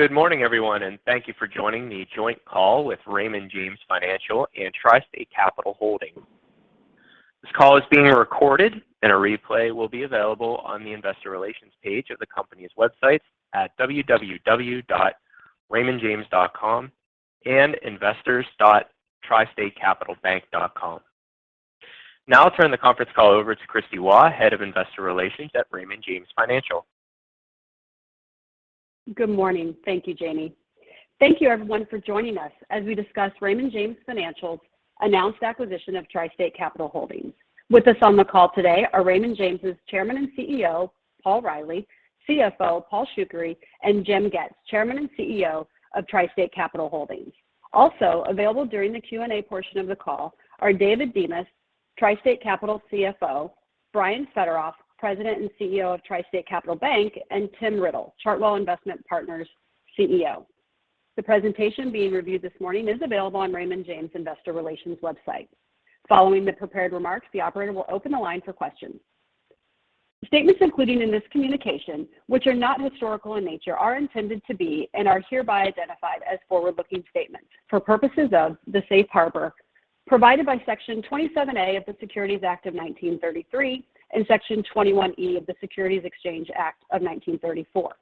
Good morning everyone, thank you for joining the joint call with Raymond James Financial and TriState Capital Holdings. This call is being recorded, and a replay will be available on the investor relations page of the company's websites at www.raymondjames.com and investors.tristatecapitalbank.com. Now I'll turn the conference call over to Kristina Waugh, head of investor relations at Raymond James Financial. Good morning. Thank you, Jamie. Thank you everyone for joining us as we discuss Raymond James Financial's announced acquisition of TriState Capital Holdings. With us on the call today are Raymond James's Chairman and CEO, Paul Reilly, CFO, Paul Shoukry, and James Getz, Chairman and CEO of TriState Capital Holdings. Also available during the Q&A portion of the call are David Demas, TriState Capital CFO, Brian Fetterolf, President and CEO of TriState Capital Bank, and Tim Riddle, Chartwell Investment Partners CEO. The presentation being reviewed this morning is available on Raymond James' investor relations website. Following the prepared remarks, the operator will open the line for questions. The statements included in this communication, which are not historical in nature, are intended to be and are hereby identified as forward-looking statements for purposes of the safe harbor provided by Section 27A of the Securities Act of 1933 and Section 21E of the Securities Exchange Act of 1934.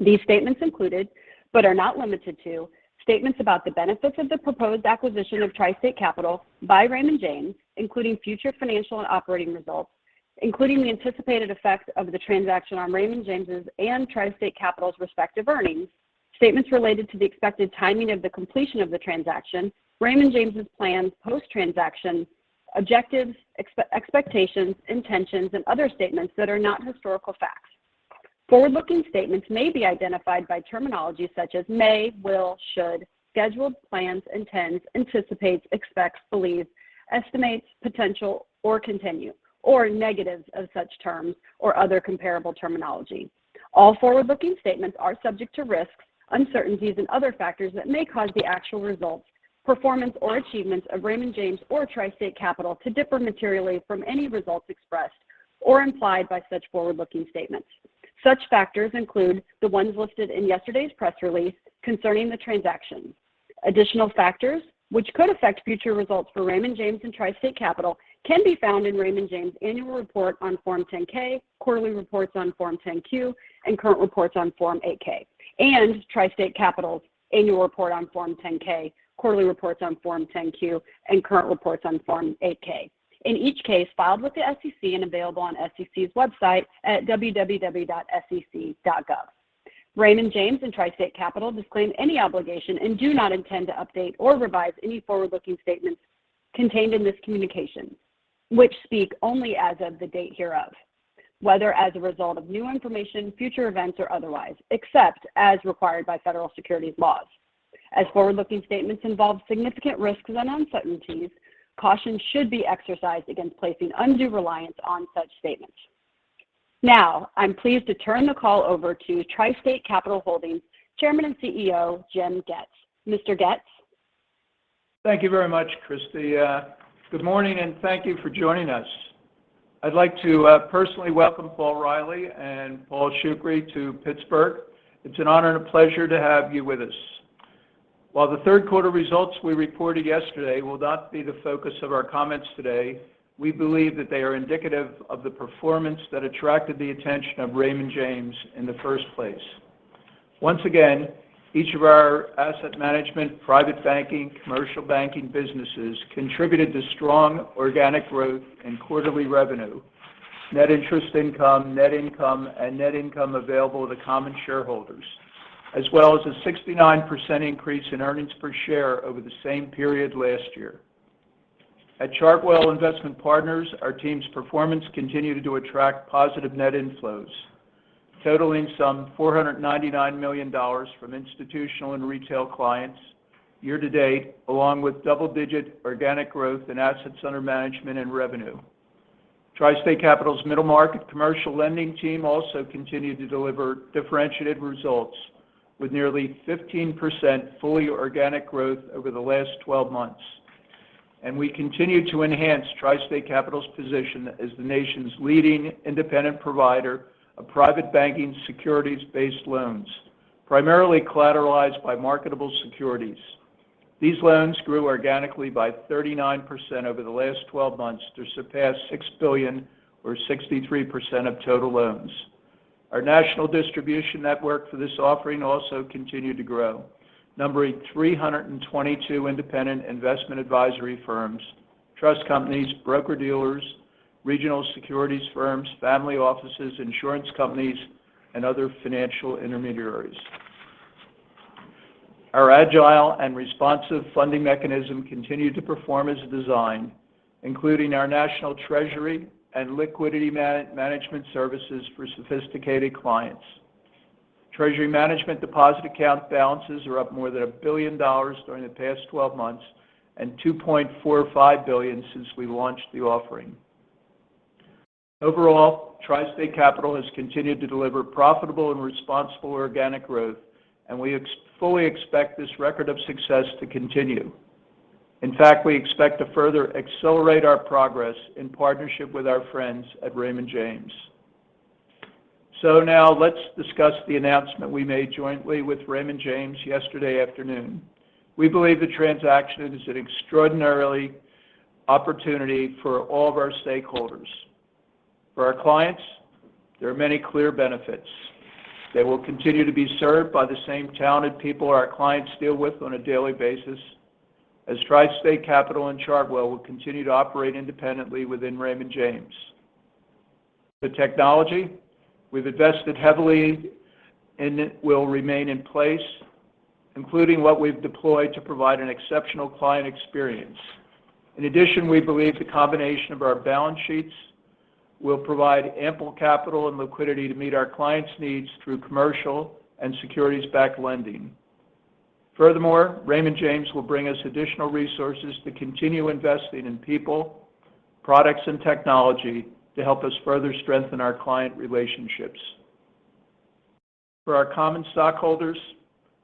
These statements included, but are not limited to, statements about the benefits of the proposed acquisition of TriState Capital by Raymond James, including future financial and operating results, including the anticipated effect of the transaction on Raymond James's and TriState Capital's respective earnings, statements related to the expected timing of the completion of the transaction, Raymond James's plans post-transaction, objectives, expectations, intentions, and other statements that are not historical facts. Forward-looking statements may be identified by terminology such as may, will, should, scheduled, plans, intends, anticipates, expects, believes, estimates, potential, or continue, or negatives of such terms, or other comparable terminology. All forward-looking statements are subject to risks, uncertainties, and other factors that may cause the actual results, performance, or achievements of Raymond James or TriState Capital to differ materially from any results expressed or implied by such forward-looking statements. Such factors include the ones listed in yesterday's press release concerning the transactions. Additional factors which could affect future results for Raymond James and TriState Capital can be found in Raymond James' annual report on Form 10-K, quarterly reports on Form 10-Q, and current reports on Form 8-K. TriState Capital's annual report on Form 10-K, quarterly reports on Form 10-Q, and current reports on Form 8-K. In each case, filed with the SEC and available on SEC's website at www.sec.gov. Raymond James and TriState Capital disclaim any obligation and do not intend to update or revise any forward-looking statements contained in this communication, which speak only as of the date hereof, whether as a result of new information, future events, or otherwise, except as required by federal securities laws. Forward-looking statements involve significant risks and uncertainties, caution should be exercised against placing undue reliance on such statements. Now, I'm pleased to turn the call over to TriState Capital Holdings' Chairman and CEO, James Getz. Mr. Getz? Thank you very much, Kristie. Good morning, thank you for joining us. I'd like to personally welcome Paul Reilly and Paul Shoukry to Pittsburgh. It's an honor and a pleasure to have you with us. While the third quarter results we reported yesterday will not be the focus of our comments today, we believe that they are indicative of the performance that attracted the attention of Raymond James in the first place. Once again, each of our asset management, private banking, commercial banking businesses contributed to strong organic growth in quarterly revenue, net interest income, net income, and net income available to common shareholders, as well as a 69% increase in earnings per share over the same period last year. At Chartwell Investment Partners, our team's performance continued to attract positive net inflows, totaling $499 million from institutional and retail clients year to date, along with double-digit organic growth in assets under management and revenue. TriState Capital's middle market commercial lending team also continued to deliver differentiated results, with nearly 15% fully organic growth over the last 12 months. We continue to enhance TriState Capital's position as the nation's leading independent provider of private banking securities-based loans, primarily collateralized by marketable securities. These loans grew organically by 39% over the last 12 months to surpass $6 billion or 63% of total loans. Our national distribution network for this offering also continued to grow, numbering 322 independent investment advisory firms, trust companies, broker-dealers, regional securities firms, family offices, insurance companies, and other financial intermediaries. Our agile and responsive funding mechanism continued to perform as designed, including our national treasury and liquidity management services for sophisticated clients. Treasury management deposit account balances are up more than $1 billion during the past 12 months, and $2.45 billion since we launched the offering. Overall, TriState Capital has continued to deliver profitable and responsible organic growth, and we fully expect this record of success to continue. In fact, we expect to further accelerate our progress in partnership with our friends at Raymond James. Now let's discuss the announcement we made jointly with Raymond James yesterday afternoon. We believe the transaction is an extraordinary opportunity for all of our stakeholders. For our clients, there are many clear benefits. They will continue to be served by the same talented people our clients deal with on a daily basis, as TriState Capital and Chartwell will continue to operate independently within Raymond James. The technology we've invested heavily in will remain in place, including what we've deployed to provide an exceptional client experience. We believe the combination of our balance sheets will provide ample capital and liquidity to meet our clients' needs through commercial and securities-backed lending. Raymond James will bring us additional resources to continue investing in people, products, and technology to help us further strengthen our client relationships. For our common stockholders,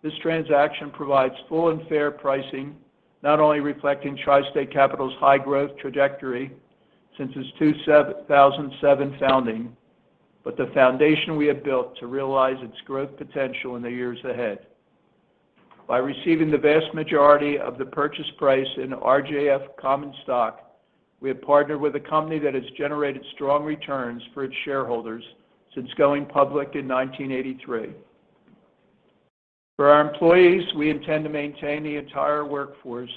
this transaction provides full and fair pricing, not only reflecting TriState Capital's high growth trajectory since its 2007 founding, but the foundation we have built to realize its growth potential in the years ahead. By receiving the vast majority of the purchase price in RJF common stock, we have partnered with a company that has generated strong returns for its shareholders since going public in 1983. For our employees, we intend to maintain the entire workforce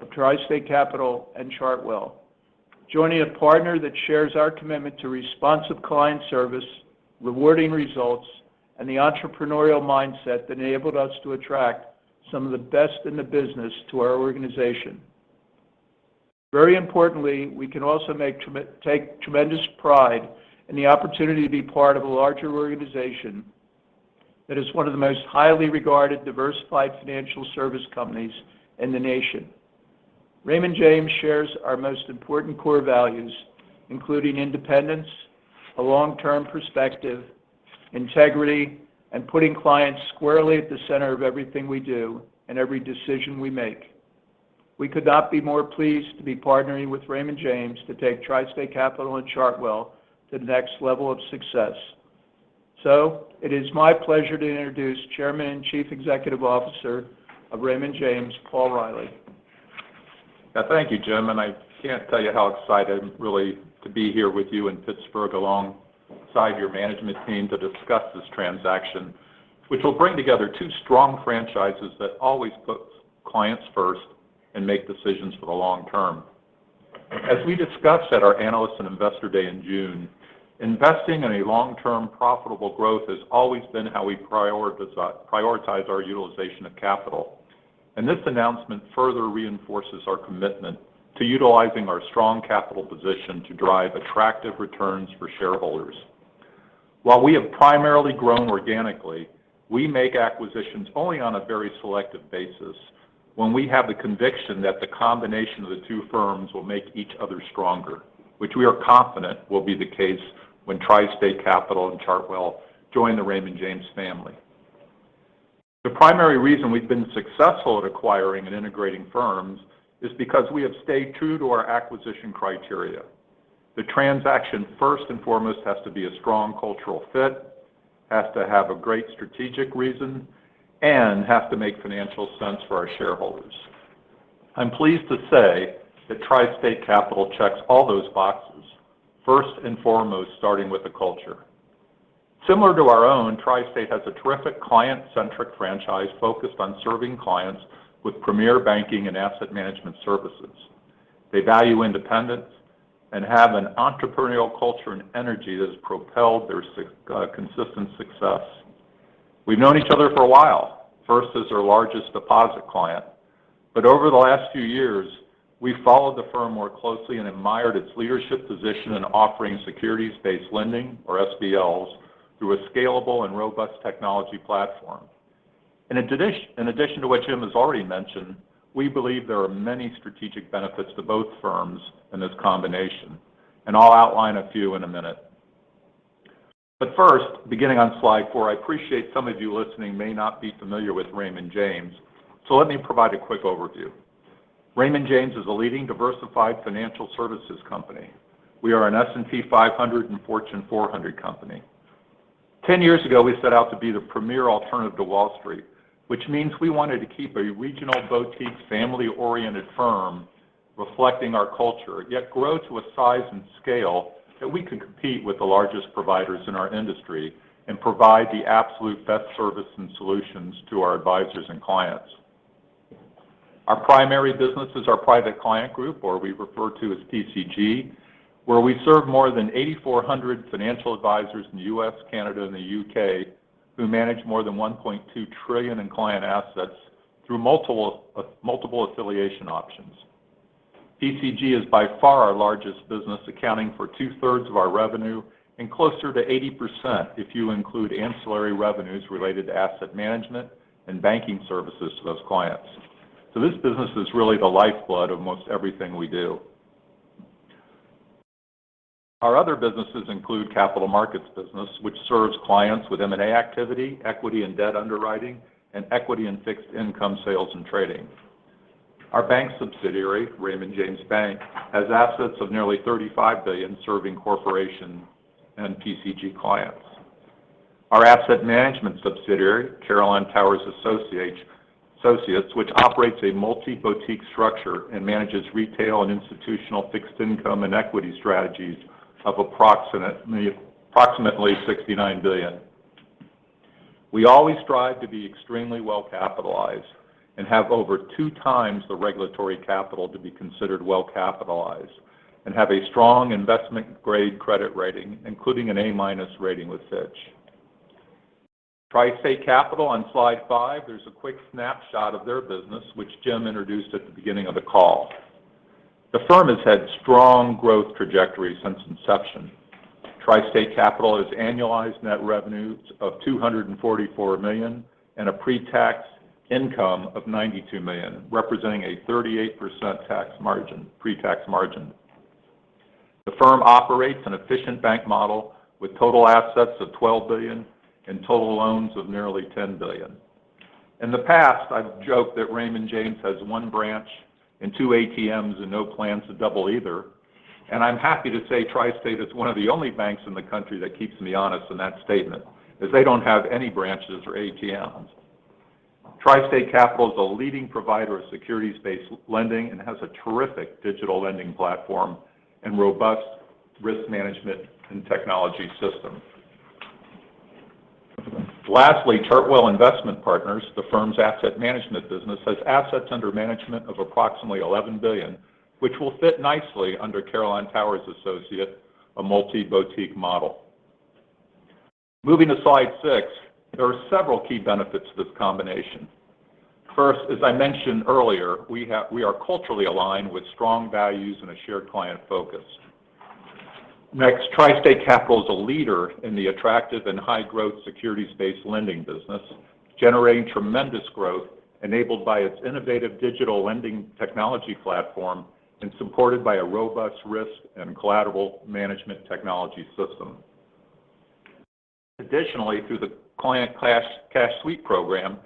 of TriState Capital and Chartwell, joining a partner that shares our commitment to responsive client service, rewarding results, and the entrepreneurial mindset that enabled us to attract some of the best in the business to our organization. Very importantly, we can also take tremendous pride in the opportunity to be part of a larger organization that is one of the most highly regarded, diversified financial service companies in the nation. Raymond James shares our most important core values, including independence, a long-term perspective, integrity, and putting clients squarely at the center of everything we do and every decision we make. We could not be more pleased to be partnering with Raymond James to take TriState Capital and Chartwell to the next level of success. It is my pleasure to introduce Chairman and Chief Executive Officer of Raymond James, Paul Reilly. Thank you, Jim, I can't tell you how excited I am, really, to be here with you in Pittsburgh alongside your management team to discuss this transaction, which will bring together two strong franchises that always put clients first and make decisions for the long term. As we discussed at our Analyst and Investor Day in June, investing in a long-term profitable growth has always been how we prioritize our utilization of capital. This announcement further reinforces our commitment to utilizing our strong capital position to drive attractive returns for shareholders. While we have primarily grown organically, we make acquisitions only on a very selective basis when we have the conviction that the combination of the two firms will make each other stronger, which we are confident will be the case when TriState Capital and Chartwell join the Raymond James family. The primary reason we've been successful at acquiring and integrating firms is because we have stayed true to our acquisition criteria. The transaction, first and foremost, has to be a strong cultural fit, has to have a great strategic reason, and has to make financial sense for our shareholders. I'm pleased to say that TriState Capital checks all those boxes, first and foremost, starting with the culture. Similar to our own, TriState has a terrific client-centric franchise focused on serving clients with premier banking and asset management services. They value independence and have an entrepreneurial culture and energy that has propelled their consistent success. We've known each other for a while, first as our largest deposit client. Over the last few years, we followed the firm more closely and admired its leadership position in offering securities-based lending, or SBLs, through a scalable and robust technology platform. In addition to what Jim has already mentioned, we believe there are many strategic benefits to both firms in this combination, and I'll outline a few in a minute. First, beginning on slide four, I appreciate some of you listening may not be familiar with Raymond James, so let me provide a quick overview. Raymond James is a leading diversified financial services company. We are an S&P 500 and Fortune 400 company. 10 years ago, we set out to be the premier alternative to Wall Street, which means we wanted to keep a regional, boutique, family-oriented firm reflecting our culture, yet grow to a size and scale that we could compete with the largest providers in our industry and provide the absolute best service and solutions to our advisors and clients. Our primary business is our Private Client Group, or we refer to as PCG, where we serve more than 8,400 financial advisors in the U.S., Canada, and the U.K., who manage more than $1.2 trillion in client assets through multiple affiliation options. PCG is by far our largest business, accounting for 2/3 of our revenue and closer to 80% if you include ancillary revenues related to asset management and banking services to those clients. This business is really the lifeblood of most everything we do. Our other businesses include capital markets business, which serves clients with M&A activity, equity and debt underwriting, and equity and fixed income sales and trading. Our bank subsidiary, Raymond James Bank, has assets of nearly $35 billion serving corporation and PCG clients. Our asset management subsidiary, Carillon Tower Advisers, which operates a multi-boutique structure and manages retail and institutional fixed income and equity strategies of approximately $69 billion. We always strive to be extremely well-capitalized and have over two times the regulatory capital to be considered well-capitalized and have a strong investment-grade credit rating, including an A-minus rating with Fitch Ratings. TriState Capital on slide five, there's a quick snapshot of their business, which James Getz introduced at the beginning of the call. The firm has had strong growth trajectory since inception. TriState Capital has annualized net revenues of $244 million and a pre-tax income of $92 million, representing a 38% pre-tax margin. The firm operates an efficient bank model with total assets of $12 billion and total loans of nearly $10 billion. In the past, I've joked that Raymond James has one branch and two ATMs and no plans to double either. I'm happy to say TriState is one of the only banks in the country that keeps me honest in that statement, as they don't have any branches or ATMs. TriState Capital is a leading provider of securities-based lending and has a terrific digital lending platform and robust risk management and technology system. Lastly, Chartwell Investment Partners, the firm's asset management business, has assets under management of approximately $11 billion, which will fit nicely under Carillon Tower Advisers, a multi-boutique model. Moving to slide six, there are several key benefits to this combination. First, as I mentioned earlier, we are culturally aligned with strong values and a shared client focus. Next, TriState Capital is a leader in the attractive and high-growth securities-based lending business, generating tremendous growth enabled by its innovative digital lending technology platform and supported by a robust risk and collateral management technology system. Additionally, through the client cash sweep program,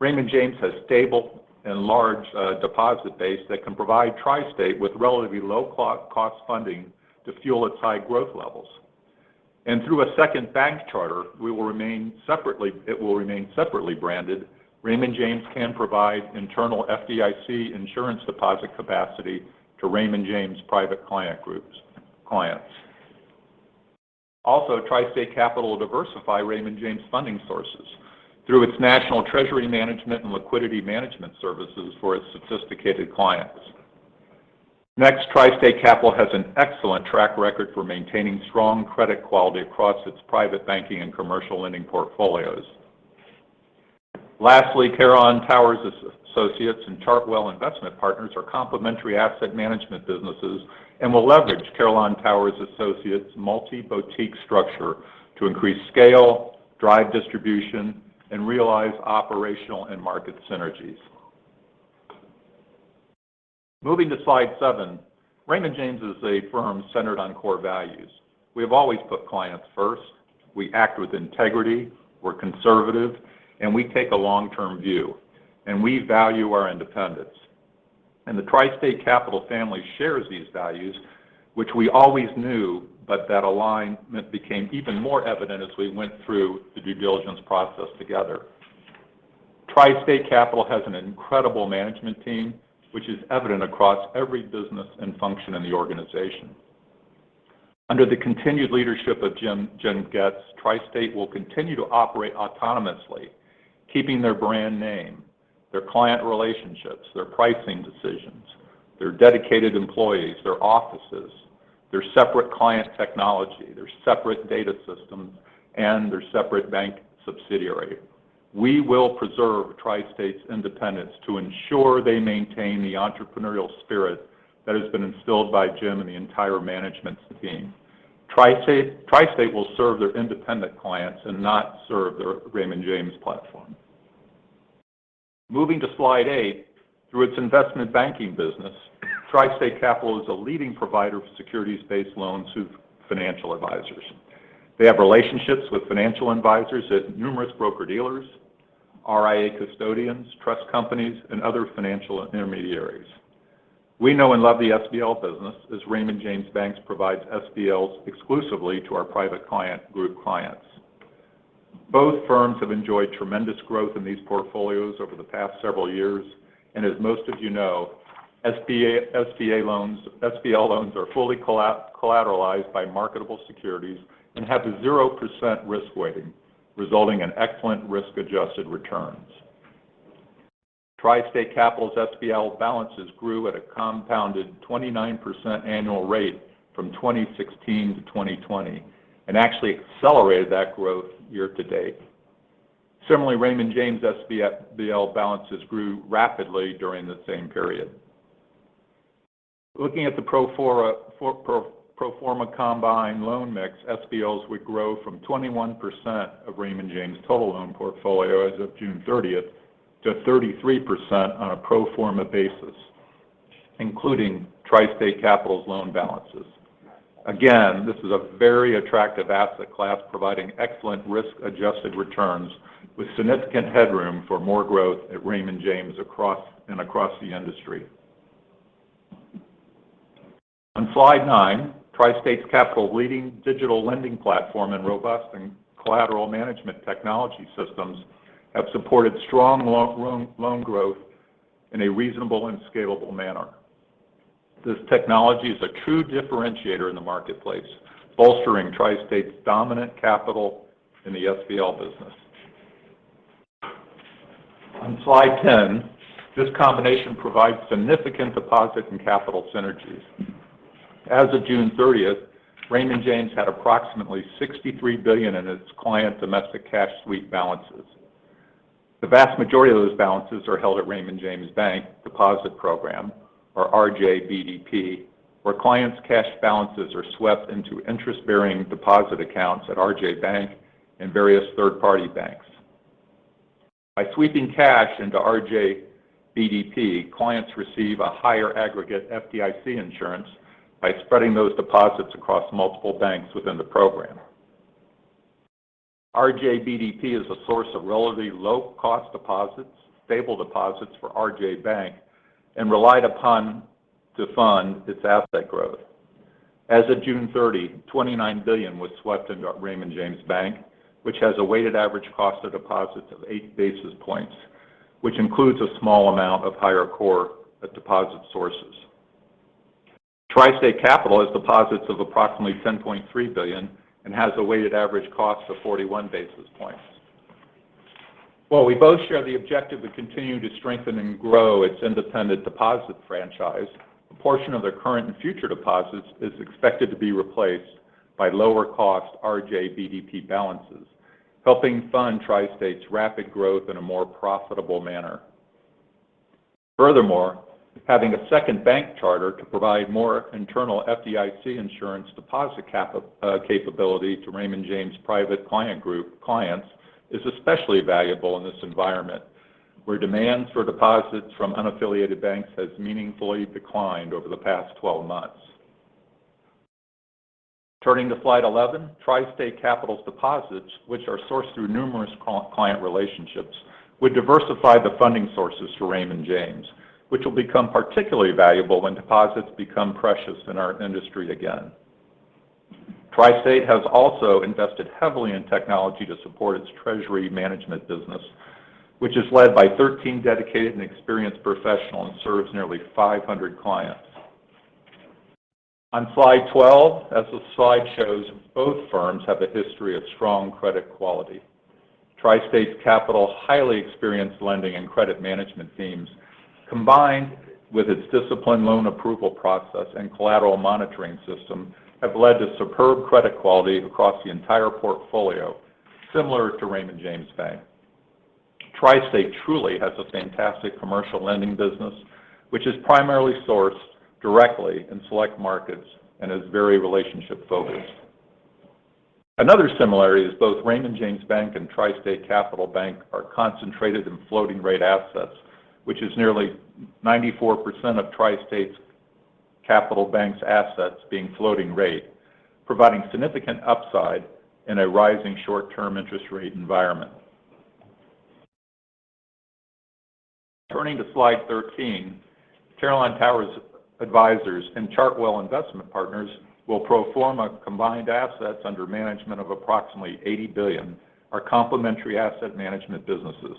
Raymond James has stable and large deposit base that can provide TriState with relatively low-cost funding to fuel its high growth levels. Through a second bank charter, it will remain separately branded. Raymond James can provide internal FDIC insurance deposit capacity to Raymond James Private Client Group's clients. Also, TriState Capital will diversify Raymond James' funding sources through its national treasury management and liquidity management services for its sophisticated clients. Next, TriState Capital has an excellent track record for maintaining strong credit quality across its private banking and commercial lending portfolios. Lastly, Carillon Tower Advisers and Chartwell Investment Partners are complementary asset management businesses and will leverage Carillon Tower Advisers' multi-boutique structure to increase scale, drive distribution, and realize operational and market synergies. Moving to slide seven, Raymond James is a firm centered on core values. We have always put clients first. We act with integrity. We're conservative, and we take a long-term view, and we value our independence. The TriState Capital family shares these values, which we always knew, but that alignment became even more evident as we went through the due diligence process together. TriState Capital has an incredible management team, which is evident across every business and function in the organization. Under the continued leadership of James Getz, TriState will continue to operate autonomously, keeping their brand name, their client relationships, their pricing decisions, their dedicated employees, their offices, their separate client technology, their separate data systems, and their separate bank subsidiary. We will preserve TriState's independence to ensure they maintain the entrepreneurial spirit that has been instilled by James and the entire management team. TriState will serve their independent clients and not serve the Raymond James platform. Moving to slide eight, through its investment banking business, TriState Capital is a leading provider of securities-based loans to financial advisors. They have relationships with financial advisors at numerous broker-dealers, RIA custodians, trust companies, and other financial intermediaries. We know and love the SBL business, as Raymond James Bank provides SBLs exclusively to our Private Client Group clients. Both firms have enjoyed tremendous growth in these portfolios over the past several years, and as most of you know, SBL loans are fully collateralized by marketable securities and have a 0% risk weighting, resulting in excellent risk-adjusted returns. TriState Capital's SBL balances grew at a compounded 29% annual rate from 2016-2020 and actually accelerated that growth year to date. Similarly, Raymond James SBL balances grew rapidly during the same period. Looking at the pro forma combined loan mix, SBLs would grow from 21% of Raymond James' total loan portfolio as of June 30th to 33% on a pro forma basis, including TriState Capital's loan balances. Again, this is a very attractive asset class providing excellent risk-adjusted returns with significant headroom for more growth at Raymond James and across the industry. On slide 9, TriState Capital's leading digital lending platform and robust and collateral management technology systems have supported strong loan growth in a reasonable and scalable manner. This technology is a true differentiator in the marketplace, bolstering TriState Capital's dominant capital in the SBL business. On slide 10, this combination provides significant deposit and capital synergies. As of June 30th, Raymond James had approximately $63 billion in its client domestic cash sweep balances. The vast majority of those balances are held at Raymond James Bank Deposit Program, or RJBDP, where clients' cash balances are swept into interest-bearing deposit accounts at RJ Bank and various third-party banks. By sweeping cash into RJBDP, clients receive a higher aggregate FDIC insurance by spreading those deposits across multiple banks within the program. RJBDP is a source of relatively low-cost deposits, stable deposits for RJ Bank, and relied upon to fund its asset growth. As of June 30, $29 billion was swept into Raymond James Bank, which has a weighted average cost of deposits of eight basis points, which includes a small amount of higher core deposit sources. TriState Capital has deposits of approximately $10.3 billion and has a weighted average cost of 41 basis points. While we both share the objective to continue to strengthen and grow its independent deposit franchise, a portion of their current and future deposits is expected to be replaced by lower-cost RJBDP balances, helping fund TriState's rapid growth in a more profitable manner. Furthermore, having a second bank charter to provide more internal FDIC insurance deposit capability to Raymond James Private Client Group clients is especially valuable in this environment, where demands for deposits from unaffiliated banks has meaningfully declined over the past 12 months. Turning to slide 11, TriState Capital's deposits, which are sourced through numerous client relationships, would diversify the funding sources to Raymond James, which will become particularly valuable when deposits become precious in our industry again. TriState has also invested heavily in technology to support its treasury management business, which is led by 13 dedicated and experienced professionals, and serves nearly 500 clients. On slide 12, as the slide shows, both firms have a history of strong credit quality. TriState Capital's highly experienced lending and credit management teams, combined with its disciplined loan approval process and collateral monitoring system, have led to superb credit quality across the entire portfolio, similar to Raymond James Bank. TriState truly has a fantastic commercial lending business, which is primarily sourced directly in select markets and is very relationship-focused. Another similarity is both Raymond James Bank and TriState Capital Bank are concentrated in floating rate assets, which is nearly 94% of TriState Capital Bank's assets being floating rate, providing significant upside in a rising short-term interest rate environment. Turning to slide 13, Carillon Tower Advisers and Chartwell Investment Partners will pro forma combined assets under management of approximately $80 billion, are complementary asset management businesses.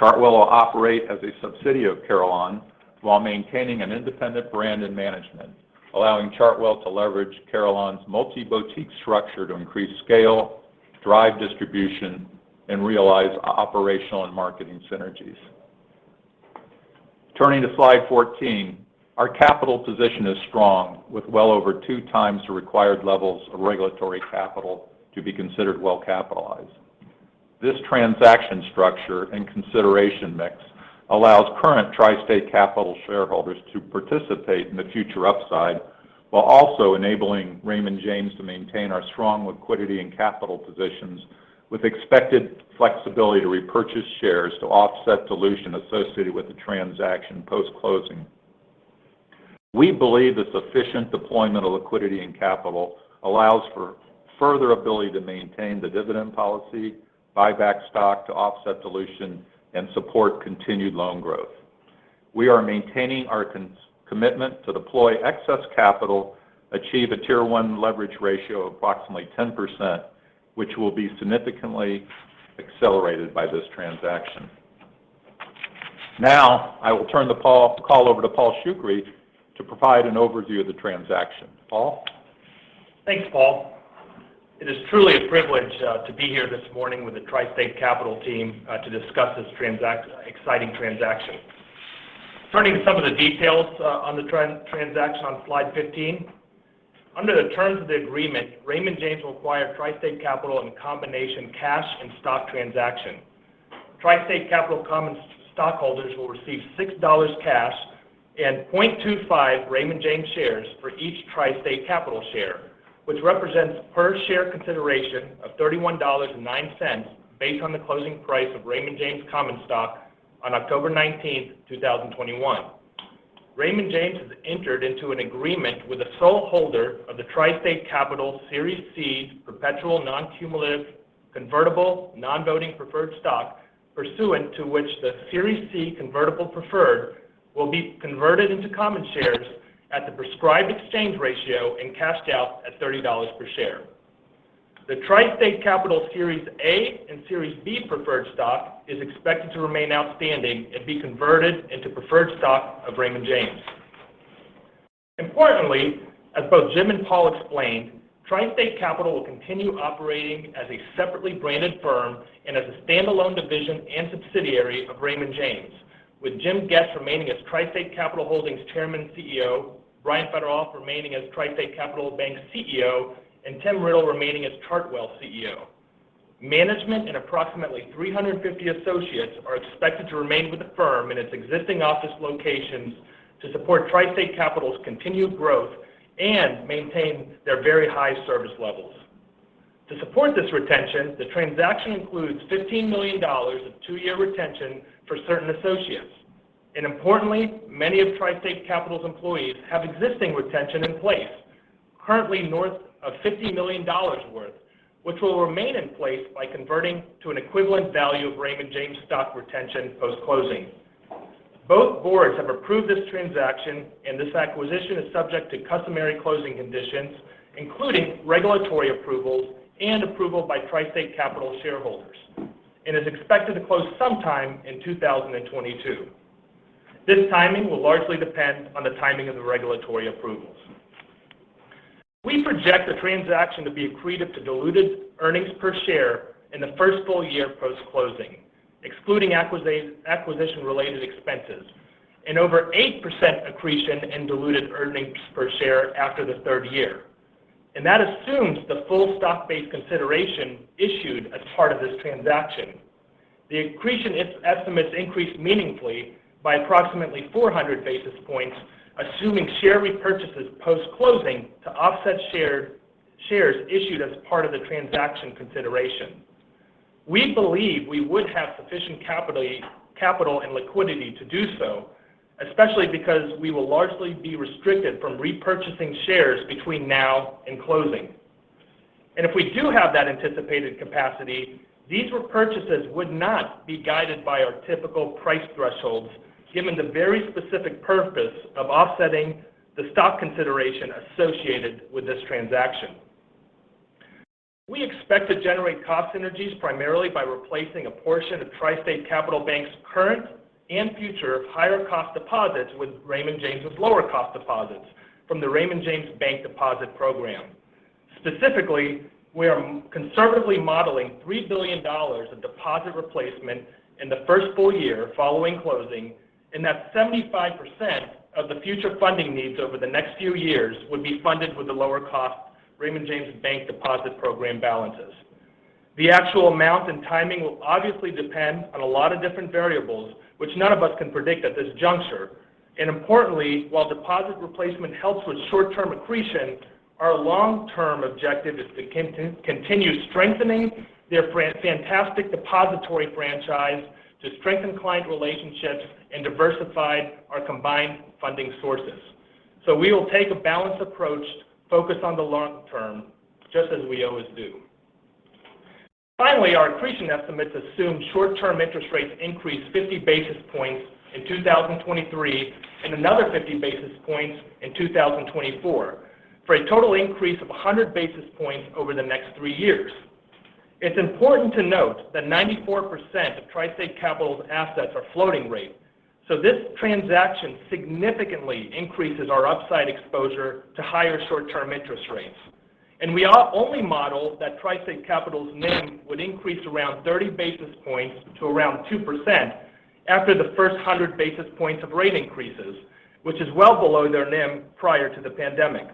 Chartwell will operate as a subsidiary of Carillon while maintaining an independent brand and management, allowing Chartwell to leverage Carillon's multi-boutique structure to increase scale, drive distribution, and realize operational and marketing synergies. Turning to slide 14, our capital position is strong, with well over two times the required levels of regulatory capital to be considered well-capitalized. This transaction structure and consideration mix allows current TriState Capital shareholders to participate in the future upside while also enabling Raymond James to maintain our strong liquidity and capital positions with expected flexibility to repurchase shares to offset dilution associated with the transaction post-closing. We believe this efficient deployment of liquidity and capital allows for further ability to maintain the dividend policy, buy back stock to offset dilution, and support continued loan growth. We are maintaining our commitment to deploy excess capital, achieve a Tier 1 leverage ratio of approximately 10%, which will be significantly accelerated by this transaction. I will turn the call over to Paul Shoukry to provide an overview of the transaction. Paul? Thanks, Paul. It is truly a privilege to be here this morning with the TriState Capital team to discuss this exciting transaction. Turning to some of the details on the transaction on slide 15. Under the terms of the agreement, Raymond James will acquire TriState Capital in a combination cash and stock transaction. TriState Capital common stockholders will receive $6 cash and 0.25 Raymond James shares for each TriState Capital share, which represents per share consideration of $31.09 based on the closing price of Raymond James common stock on October 19th, 2021. Raymond James has entered into an agreement with the sole holder of the TriState Capital Series C perpetual non-cumulative convertible non-voting preferred stock, pursuant to which the Series C convertible preferred will be converted into common shares at the prescribed exchange ratio and cashed out at $30 per share. The TriState Capital Series A and Series B preferred stock is expected to remain outstanding and be converted into preferred stock of Raymond James. Importantly, as both James and Paul explained, TriState Capital will continue operating as a separately branded firm and as a standalone division and subsidiary of Raymond James, with James Getz remaining as TriState Capital Holdings Chairman and CEO, Brian Fetterolf remaining as TriState Capital Bank CEO, and Tim Riddle remaining as Chartwell CEO. Management and approximately 350 associates are expected to remain with the firm in its existing office locations to support TriState Capital's continued growth and maintain their very high service levels. To support this retention, the transaction includes $15 million of two-year retention for certain associates. Importantly, many of TriState Capital's employees have existing retention in place, currently north of $50 million worth, which will remain in place by converting to an equivalent value of Raymond James stock retention post-closing. Both boards have approved this transaction. This acquisition is subject to customary closing conditions, including regulatory approvals and approval by TriState Capital shareholders, and is expected to close sometime in 2022. This timing will largely depend on the timing of the regulatory approvals. We project the transaction to be accretive to diluted earnings per share in the first full year post-closing, excluding acquisition-related expenses, and over 8% accretion in diluted earnings per share after the 3rd year. That assumes the full stock-based consideration issued as part of this transaction. The accretion estimates increased meaningfully by approximately 400 basis points, assuming share repurchases post-closing to offset shares issued as part of the transaction consideration. We believe we would have sufficient capital and liquidity to do so, especially because we will largely be restricted from repurchasing shares between now and closing. If we do have that anticipated capacity, these repurchases would not be guided by our typical price thresholds, given the very specific purpose of offsetting the stock consideration associated with this transaction. We expect to generate cost synergies primarily by replacing a portion of TriState Capital Bank's current and future higher cost deposits with Raymond James' lower cost deposits from the Raymond James Bank Deposit Program. Specifically, we are conservatively modeling $3 billion of deposit replacement in the first full year following closing, and that 75% of the future funding needs over the next few years would be funded with the lower cost Raymond James Bank Deposit Program balances. The actual amount and timing will obviously depend on a lot of different variables, which none of us can predict at this juncture. Importantly, while deposit replacement helps with short-term accretion, our long-term objective is to continue strengthening their fantastic depository franchise to strengthen client relationships and diversify our combined funding sources. We will take a balanced approach focused on the long term, just as we always do. Finally, our accretion estimates assume short-term interest rates increase 50 basis points in 2023 and another 50 basis points in 2024, for a total increase of 100 basis points over the next three years. It's important to note that 94% of TriState Capital's assets are floating rate, this transaction significantly increases our upside exposure to higher short-term interest rates. We only model that TriState Capital's NIM would increase around 30 basis points to around 2% after the first 100 basis points of rate increases, which is well below their NIM prior to the pandemic.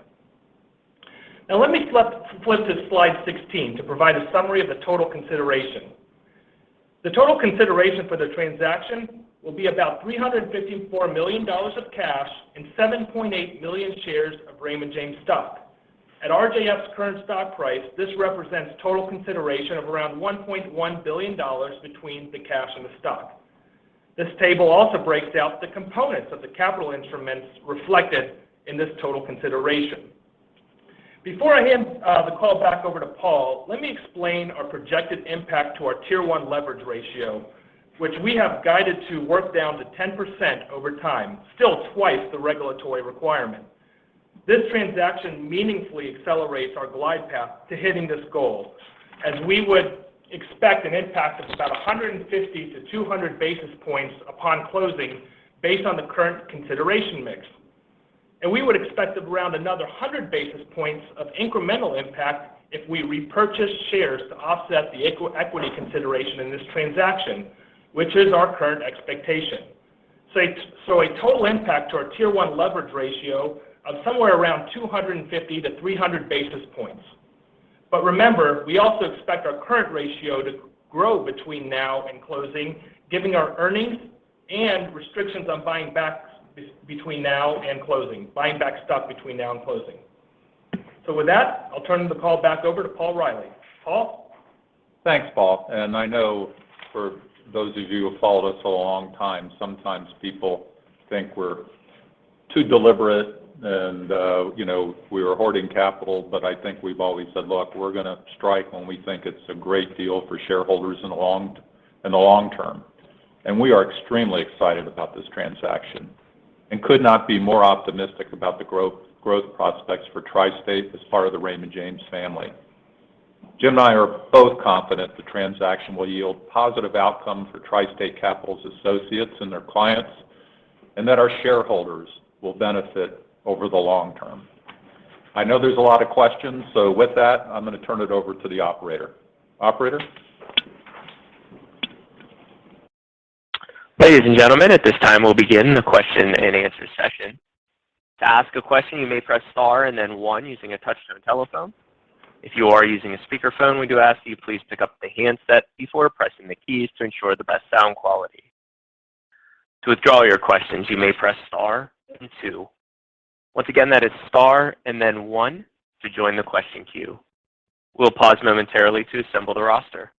Let me flip to slide 16 to provide a summary of the total consideration. The total consideration for the transaction will be about $354 million of cash and 7.8 million shares of Raymond James stock. At RJF's current stock price, this represents total consideration of around $1.1 billion between the cash and the stock. This table also breaks out the components of the capital instruments reflected in this total consideration. Before I hand the call back over to Paul, let me explain our projected impact to our Tier 1 leverage ratio, which we have guided to work down to 10% over time, still twice the regulatory requirement. This transaction meaningfully accelerates our glide path to hitting this goal, as we would expect an impact of about 150-200 basis points upon closing based on the current consideration mix. We would expect around another 100 basis points of incremental impact if we repurchase shares to offset the equity consideration in this transaction, which is our current expectation. A total impact to our Tier 1 leverage ratio of somewhere around 250-300 basis points. Remember, we also expect our current ratio to grow between now and closing, given our earnings and restrictions on buying back between now and closing. Buying back stock between now and closing. With that, I'll turn the call back over to Paul Reilly. Paul? Thanks, Paul. I know for those of you who have followed us a long time, sometimes people think we're too deliberate and we were hoarding capital. I think we've always said, "Look, we're going to strike when we think it's a great deal for shareholders in the long term." We are extremely excited about this transaction and could not be more optimistic about the growth prospects for TriState as part of the Raymond James family. Jim and I are both confident the transaction will yield positive outcome for TriState Capital's associates and their clients, and that our shareholders will benefit over the long term. I know there's a lot of questions. With that, I'm going to turn it over to the operator. Operator? Ladies and gentlemen, at this time we'll begin the question and answer session. To ask a question, you may press star and then one using a touch-tone telephone. If you are using a speakerphone, we do ask you please pick up the handset before pressing the keys to ensure the best sound quality. To withdraw your questions you may press star, then two. Once again, that is star and then one to join the question queue. We'll pause momentarily to assemble the roster.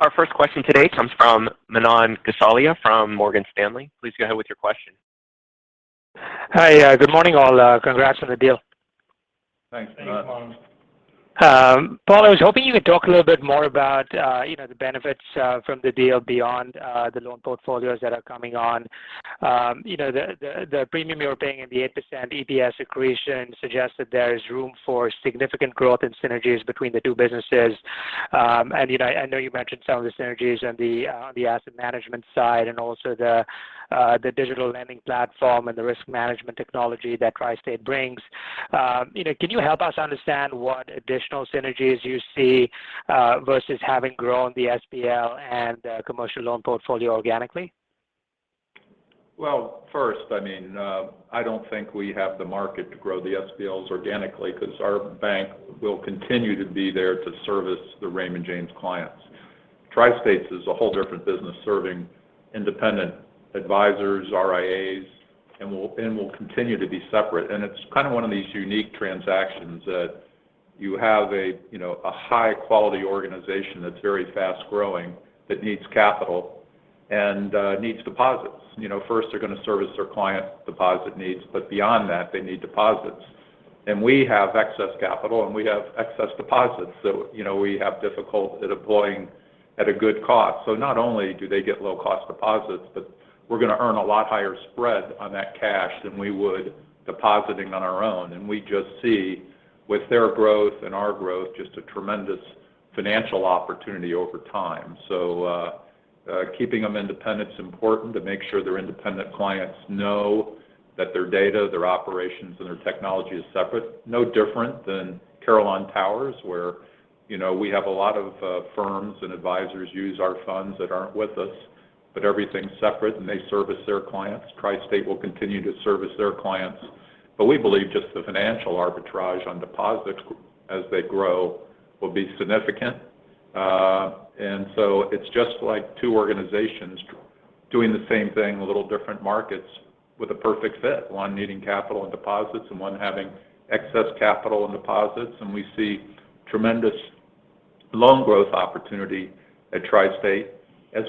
Our first question today comes from Manan Gosalia from Morgan Stanley. Please go ahead with your question. Hi. Good morning, all. Congrats on the deal. Thanks, Manan. Thanks. Paul, I was hoping you could talk a little bit more about the benefits from the deal beyond the loan portfolios that are coming on. The premium you're paying and the 8% EPS accretion suggests that there is room for significant growth in synergies between the two businesses. I know you mentioned some of the synergies on the asset management side and also the digital lending platform and the risk management technology that TriState brings. Can you help us understand what additional synergies you see versus having grown the SBL and commercial loan portfolio organically? Well, first, I don't think we have the market to grow the SBLs organically because our bank will continue to be there to service the Raymond James clients. TriState's is a whole different business serving independent advisors, RIAs, and will continue to be separate. It's kind of one of these unique transactions that you have a high-quality organization that's very fast-growing, that needs capital and needs deposits. First they're going to service their client deposit needs, but beyond that, they need deposits. We have excess capital, and we have excess deposits. We have difficulty deploying at a good cost. Not only do they get low-cost deposits, but we're going to earn a lot higher spread on that cash than we would depositing on our own. We just see with their growth and our growth, just a tremendous financial opportunity over time. Keeping them independent's important to make sure their independent clients know that their data, their operations, and their technology is separate. No different than Carillon Tower Advisers, where we have a lot of firms and advisors use our funds that aren't with us, but everything's separate, and they service their clients. TriState will continue to service their clients. We believe just the financial arbitrage on deposits as they grow will be significant. It's just like two organizations doing the same thing, a little different markets with a perfect fit. One needing capital and deposits, and one having excess capital and deposits. We see tremendous loan growth opportunity at TriState as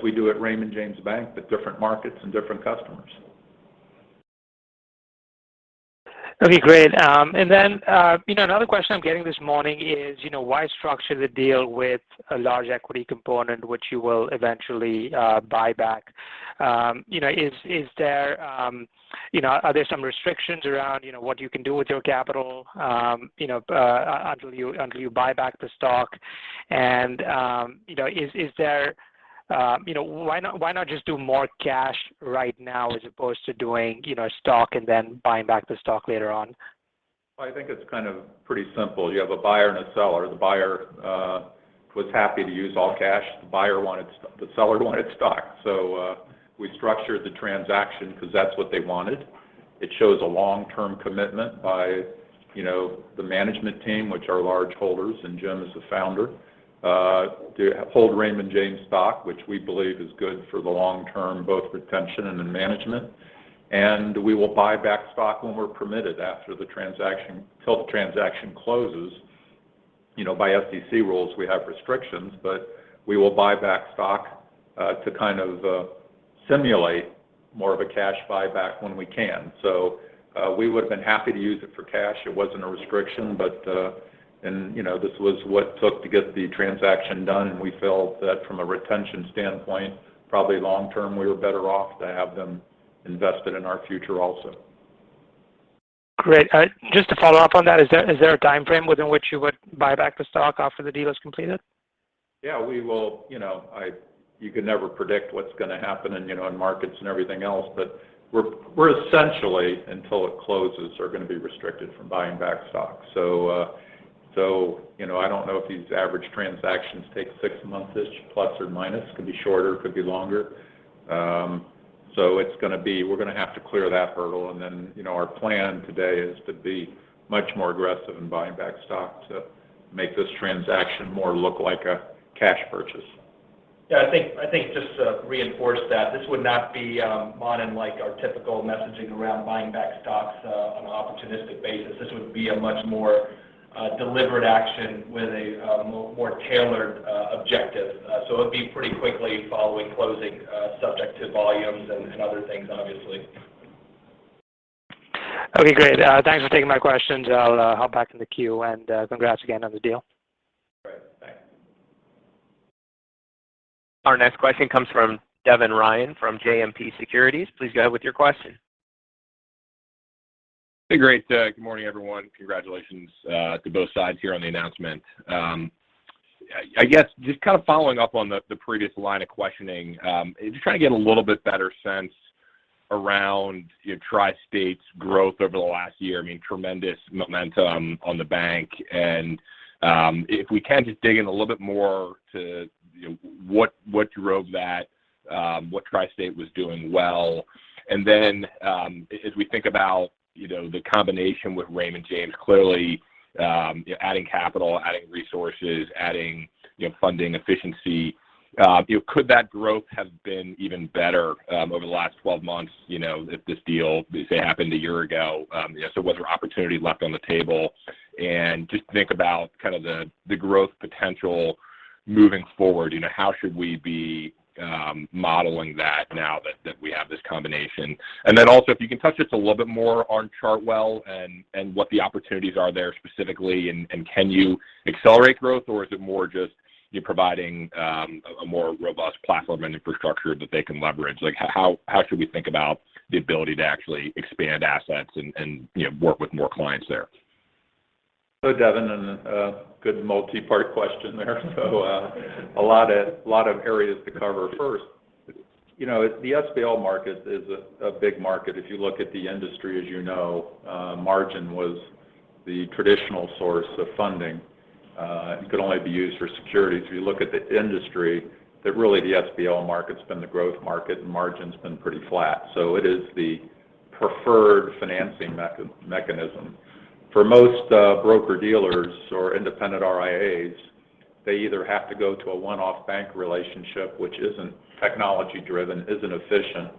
we do at Raymond James Bank, but different markets and different customers. Okay, great. Another question I'm getting this morning is why structure the deal with a large equity component which you will eventually buy back? Are there some restrictions around what you can do with your capital until you buy back the stock? Why not just do more cash right now as opposed to doing stock and then buying back the stock later on? I think it's kind of pretty simple. You have a buyer and a seller. The buyer was happy to use all cash. The seller wanted stock. We structured the transaction because that's what they wanted. It shows a long-term commitment by the management team, which are large holders, and Jim is the founder. To hold Raymond James stock, which we believe is good for the long term, both retention and in management. We will buy back stock when we're permitted after the transaction, till the transaction closes. By SEC rules, we have restrictions, but we will buy back stock to kind of simulate more of a cash buyback when we can. We would've been happy to use it for cash. It wasn't a restriction. This was what took to get the transaction done, and we felt that from a retention standpoint, probably long term, we were better off to have them invested in our future also. Great. Just to follow up on that, is there a timeframe within which you would buy back the stock after the deal is completed? Yeah. You could never predict what's going to happen in markets and everything else. We're essentially, until it closes, are going to be restricted from buying back stock. I don't know if these average transactions take 6 months-ish, plus or minus. Could be shorter, could be longer. We're going to have to clear that hurdle. Our plan today is to be much more aggressive in buying back stock to make this transaction more look like a cash purchase. Yeah, I think just to reinforce that this would not be unlike our typical messaging around buying back stocks on an opportunistic basis. This would be a much more deliberate action with a more tailored objective. It would be pretty quickly following closing subject to volumes and other things, obviously. Okay, great. Thanks for taking my questions. I'll hop back in the queue and congrats again on the deal. Great, thanks. Our next question comes from Devin Ryan from JMP Securities. Please go ahead with your question. Hey, great. Good morning, everyone. Congratulations to both sides here on the announcement. I guess just kind of following up on the previous line of questioning, just trying to get a little bit better sense around TriState's growth over the last year. I mean, tremendous momentum on the bank. If we can just dig in a little bit more to what drove that, what TriState was doing well. Then as we think about the combination with Raymond James, clearly adding capital, adding resources, adding funding efficiency. Could that growth have been even better over the last 12 months if this deal, say, happened a year ago? Was there opportunity left on the table? Just think about kind of the growth potential moving forward. How should we be modeling that now that we have this combination? If you can touch just a little bit more on Chartwell and what the opportunities are there specifically, and can you accelerate growth, or is it more just you're providing a more robust platform and infrastructure that they can leverage? How should we think about the ability to actually expand assets and work with more clients there? Devin, a good multi-part question there. A lot of areas to cover. First, the SBL market is a big market. If you look at the industry, as you know, margin was the traditional source of funding. It could only be used for securities. If you look at the industry, that really the SBL market's been the growth market and margin's been pretty flat. It is the preferred financing mechanism. For most broker-dealers or independent RIAs, they either have to go to a one-off bank relationship, which isn't technology driven, isn't efficient,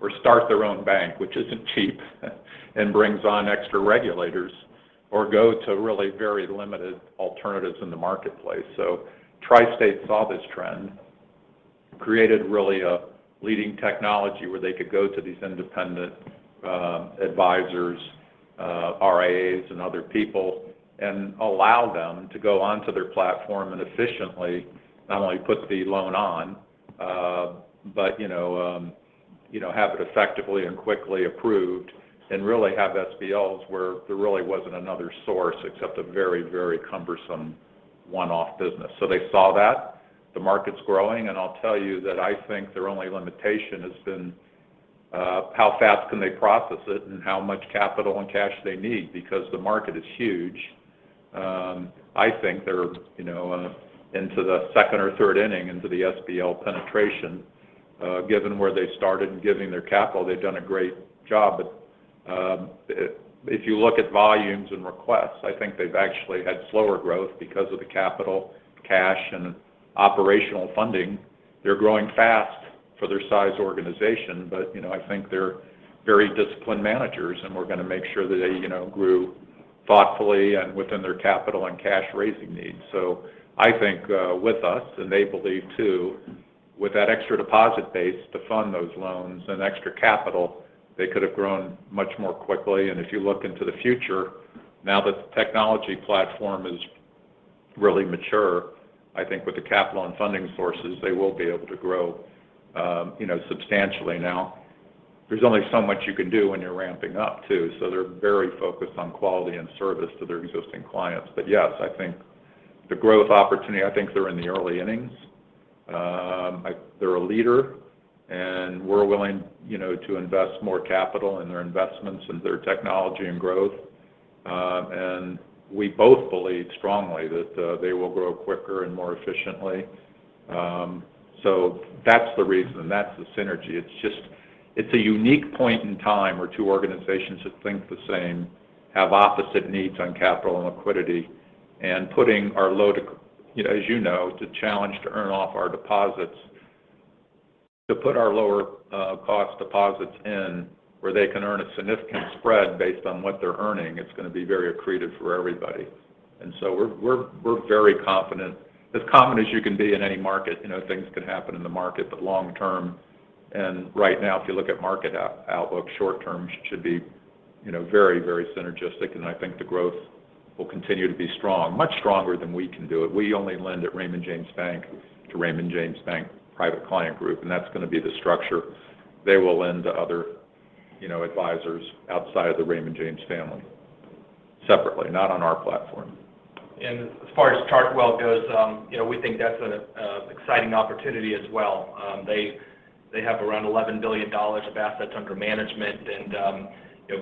or start their own bank, which isn't cheap and brings on extra regulators, or go to really very limited alternatives in the marketplace. TriState saw this trend, created really a leading technology where they could go to these independent advisors, RIAs, and other people and allow them to go onto their platform and efficiently not only put the loan on but have it effectively and quickly approved and really have SBLs where there really wasn't another source except a very, very cumbersome one-off business. They saw that. The market's growing, and I'll tell you that I think their only limitation has been how fast can they process it and how much capital and cash they need because the market is huge. I think they're into the second or third inning into the SBL penetration. Given where they started and given their capital, they've done a great job. If you look at volumes and requests, I think they've actually had slower growth because of the capital, cash, and operational funding. They're growing fast for their size organization, but I think they're very disciplined managers, and we're going to make sure that they grew thoughtfully and within their capital and cash raising needs. I think with us, and they believe too, with that extra deposit base to fund those loans and extra capital, they could have grown much more quickly. If you look into the future, now that the technology platform is really mature, I think with the capital and funding sources, they will be able to grow substantially. There's only so much you can do when you're ramping up, too. They're very focused on quality and service to their existing clients. Yes, I think the growth opportunity, I think they're in the early innings. They're a leader, and we're willing to invest more capital in their investments and their technology and growth. We both believe strongly that they will grow quicker and more efficiently. That's the reason. That's the synergy. It's a unique point in time where two organizations that think the same have opposite needs on capital and liquidity and putting our low, as you know, the challenge to earn off our deposits, to put our lower cost deposits in where they can earn a significant spread based on what they're earning, it's going to be very accretive for everybody. We're very confident, as confident as you can be in any market. Things could happen in the market, but long term, and right now, if you look at market outlook, short term should be very, very synergistic, and I think the growth will continue to be strong, much stronger than we can do it. We only lend at Raymond James Bank to Raymond James Bank Private Client Group, that's going to be the structure. They will lend to other advisors outside of the Raymond James family separately, not on our platform. As far as Chartwell goes, we think that's an exciting opportunity as well. They have around $11 billion of assets under management.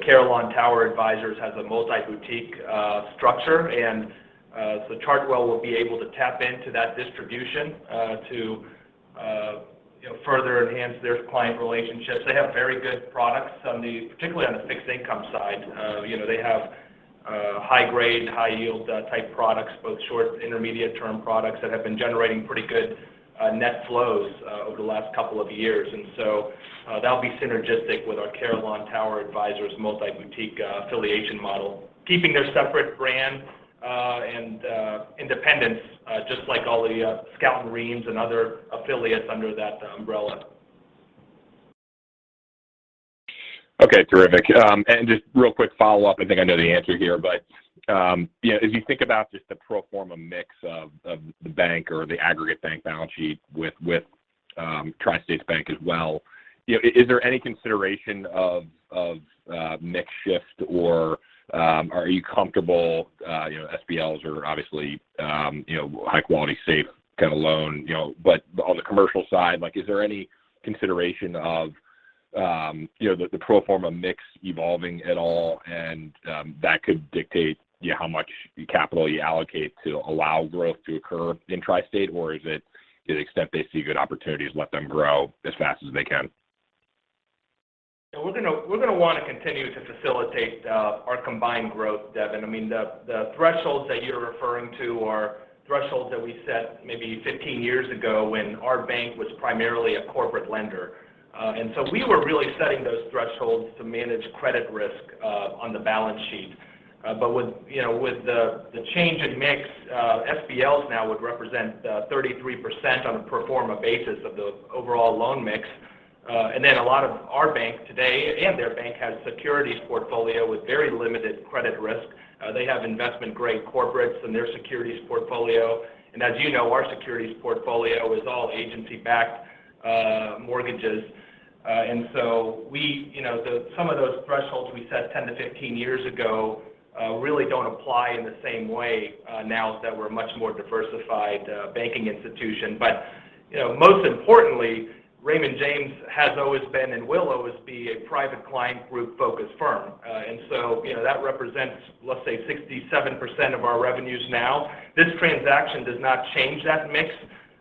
Carillon Tower Advisers has a multi-boutique structure. Chartwell will be able to tap into that distribution to further enhance their client relationships. They have very good products, particularly on the fixed income side. They have high-grade, high-yield type products, both short, intermediate-term products that have been generating pretty good net flows over the last couple of years. That'll be synergistic with our Carillon Tower Advisers multi-boutique affiliation model. Keeping their separate brand and independence, just like all the Scout and Reams and other affiliates under that umbrella. Okay, terrific. Just real quick follow-up, I think I know the answer here. As you think about just the pro forma mix of the bank or the aggregate bank balance sheet with TriState's bank as well, is there any consideration of mix shift or are you comfortable, SBLs are obviously high quality, safe kind of loan? On the commercial side, is there any consideration of the pro forma mix evolving at all and that could dictate how much capital you allocate to allow growth to occur in TriState? Is it to the extent they see good opportunities, let them grow as fast as they can? We're going to want to continue to facilitate our combined growth, Devin. The thresholds that you're referring to are thresholds that we set maybe 15 years ago when our bank was primarily a corporate lender. We were really setting those thresholds to manage credit risk on the balance sheet. With the change in mix, SBLs now would represent 33% on a pro forma basis of the overall loan mix. A lot of our bank today and their bank has a securities portfolio with very limited credit risk. They have investment-grade corporates in their securities portfolio. As you know, our securities portfolio is all agency-backed mortgages. Some of those thresholds we set 10-15 years ago really don't apply in the same way now that we're a much more diversified banking institution. Most importantly, Raymond James has always been and will always be a Private Client Group-focused firm. That represents, let's say, 67% of our revenues now. This transaction does not change that mix,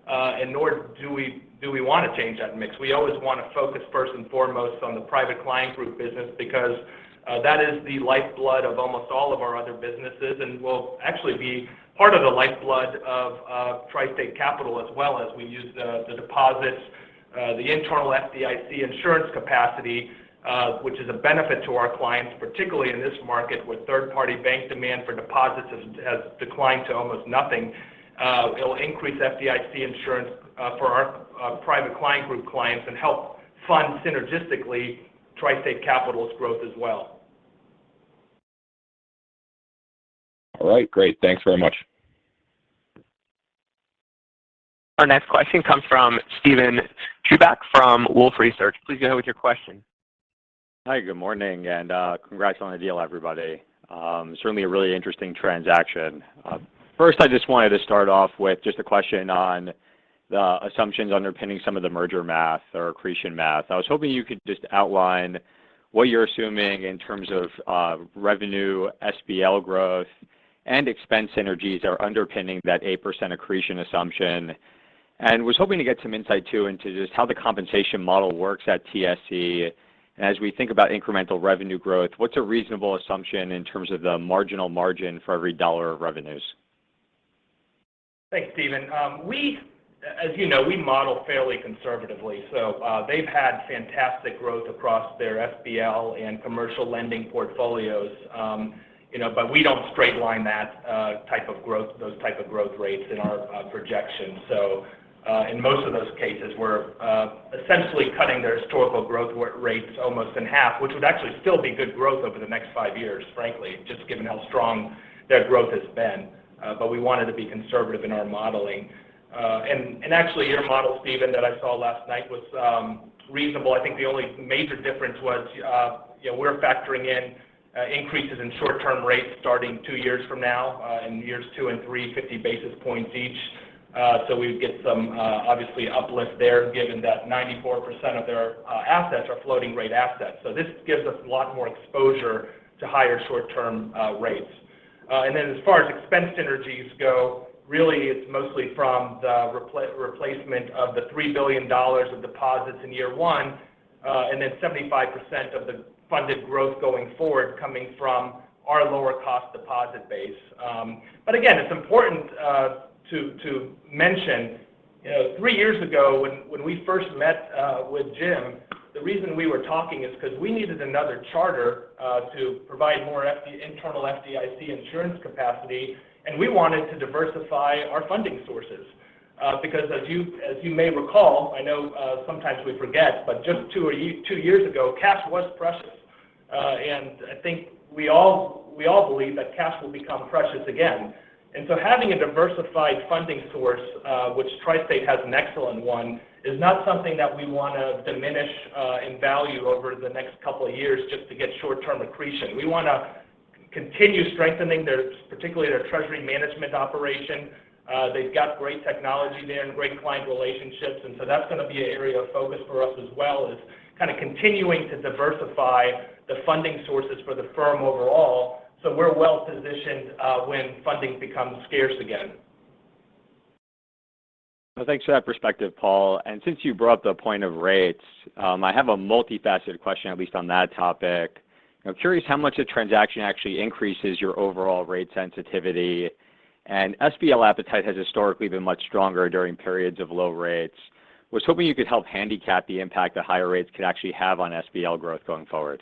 and nor do we want to change that mix. We always want to focus first and foremost on the Private Client Group business because that is the lifeblood of almost all of our other businesses and will actually be part of the lifeblood of TriState Capital as well as we use the deposits, the internal FDIC insurance capacity, which is a benefit to our clients, particularly in this market where third-party bank demand for deposits has declined to almost nothing. It'll increase FDIC insurance for our Private Client Group clients and help fund synergistically TriState Capital's growth as well. All right, great. Thanks very much. Our next question comes from Steven Chubak from Wolfe Research. Please go ahead with your question. Hi, good morning, and congrats on the deal, everybody. Certainly a really interesting transaction. First, I just wanted to start off with just a question on the assumptions underpinning some of the merger math or accretion math. I was hoping you could just outline what you're assuming in terms of revenue, SBL growth, and expense synergies are underpinning that 8% accretion assumption. Was hoping to get some insight, too, into just how the compensation model works at TSC. As we think about incremental revenue growth, what's a reasonable assumption in terms of the marginal margin for every dollar of revenues? Thanks, Steven. As you know, we model fairly conservatively. They've had fantastic growth across their SBL and commercial lending portfolios. We don't straight line those type of growth rates in our projections. In most of those cases, we're essentially cutting their historical growth rates almost in half, which would actually still be good growth over the next five years, frankly, just given how strong their growth has been. We wanted to be conservative in our modeling. Actually, your model, Steven, that I saw last night was reasonable. I think the only major difference was we're factoring in increases in short-term rates starting two years from now, in years two and three, 50 basis points each. We would get some obviously uplift there given that 94% of their assets are floating rate assets. This gives us a lot more exposure to higher short-term rates. As far as expense synergies go, really it's mostly from the replacement of the $3 billion of deposits in year one, and then 75% of the funded growth going forward coming from our lower cost deposit base. Again, it's important to mention three years ago when we first met with Jim, the reason we were talking is because we needed another charter to provide more internal FDIC insurance capacity, and we wanted to diversify our funding sources. As you may recall, I know sometimes we forget, but just two years ago, cash was precious. I think we all believe that cash will become precious again. Having a diversified funding source, which TriState has an excellent one, is not something that we want to diminish in value over the next couple of years just to get short-term accretion. We want to continue strengthening, particularly their treasury management operation. They've got great technology there and great client relationships. That's going to be an area of focus for us as well is kind of continuing to diversify the funding sources for the firm overall so we're well-positioned when funding becomes scarce again. Well, thanks for that perspective, Paul. Since you brought up the point of rates, I have a multifaceted question, at least on that topic. I'm curious how much the transaction actually increases your overall rate sensitivity. SBL appetite has historically been much stronger during periods of low rates. I was hoping you could help handicap the impact that higher rates could actually have on SBL growth going forward.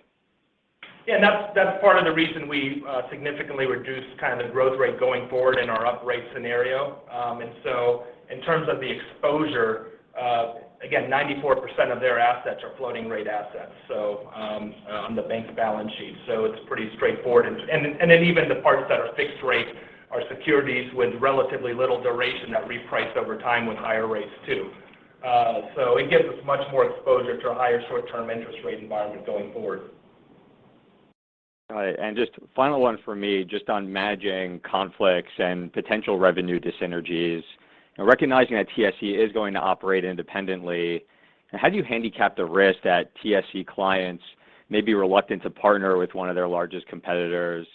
Yeah, that's part of the reason we significantly reduced the growth rate going forward in our uprate scenario. In terms of the exposure, again, 94% of their assets are floating rate assets on the bank's balance sheet, it's pretty straightforward. Even the parts that are fixed rate are securities with relatively little duration that reprice over time with higher rates, too. It gives us much more exposure to a higher short-term interest rate environment going forward. All right. Just final one for me, just on managing conflicts and potential revenue dyssynergies and recognizing that TSC is going to operate independently. How do you handicap the risk that TSC clients may be reluctant to partner with one of their largest competitors?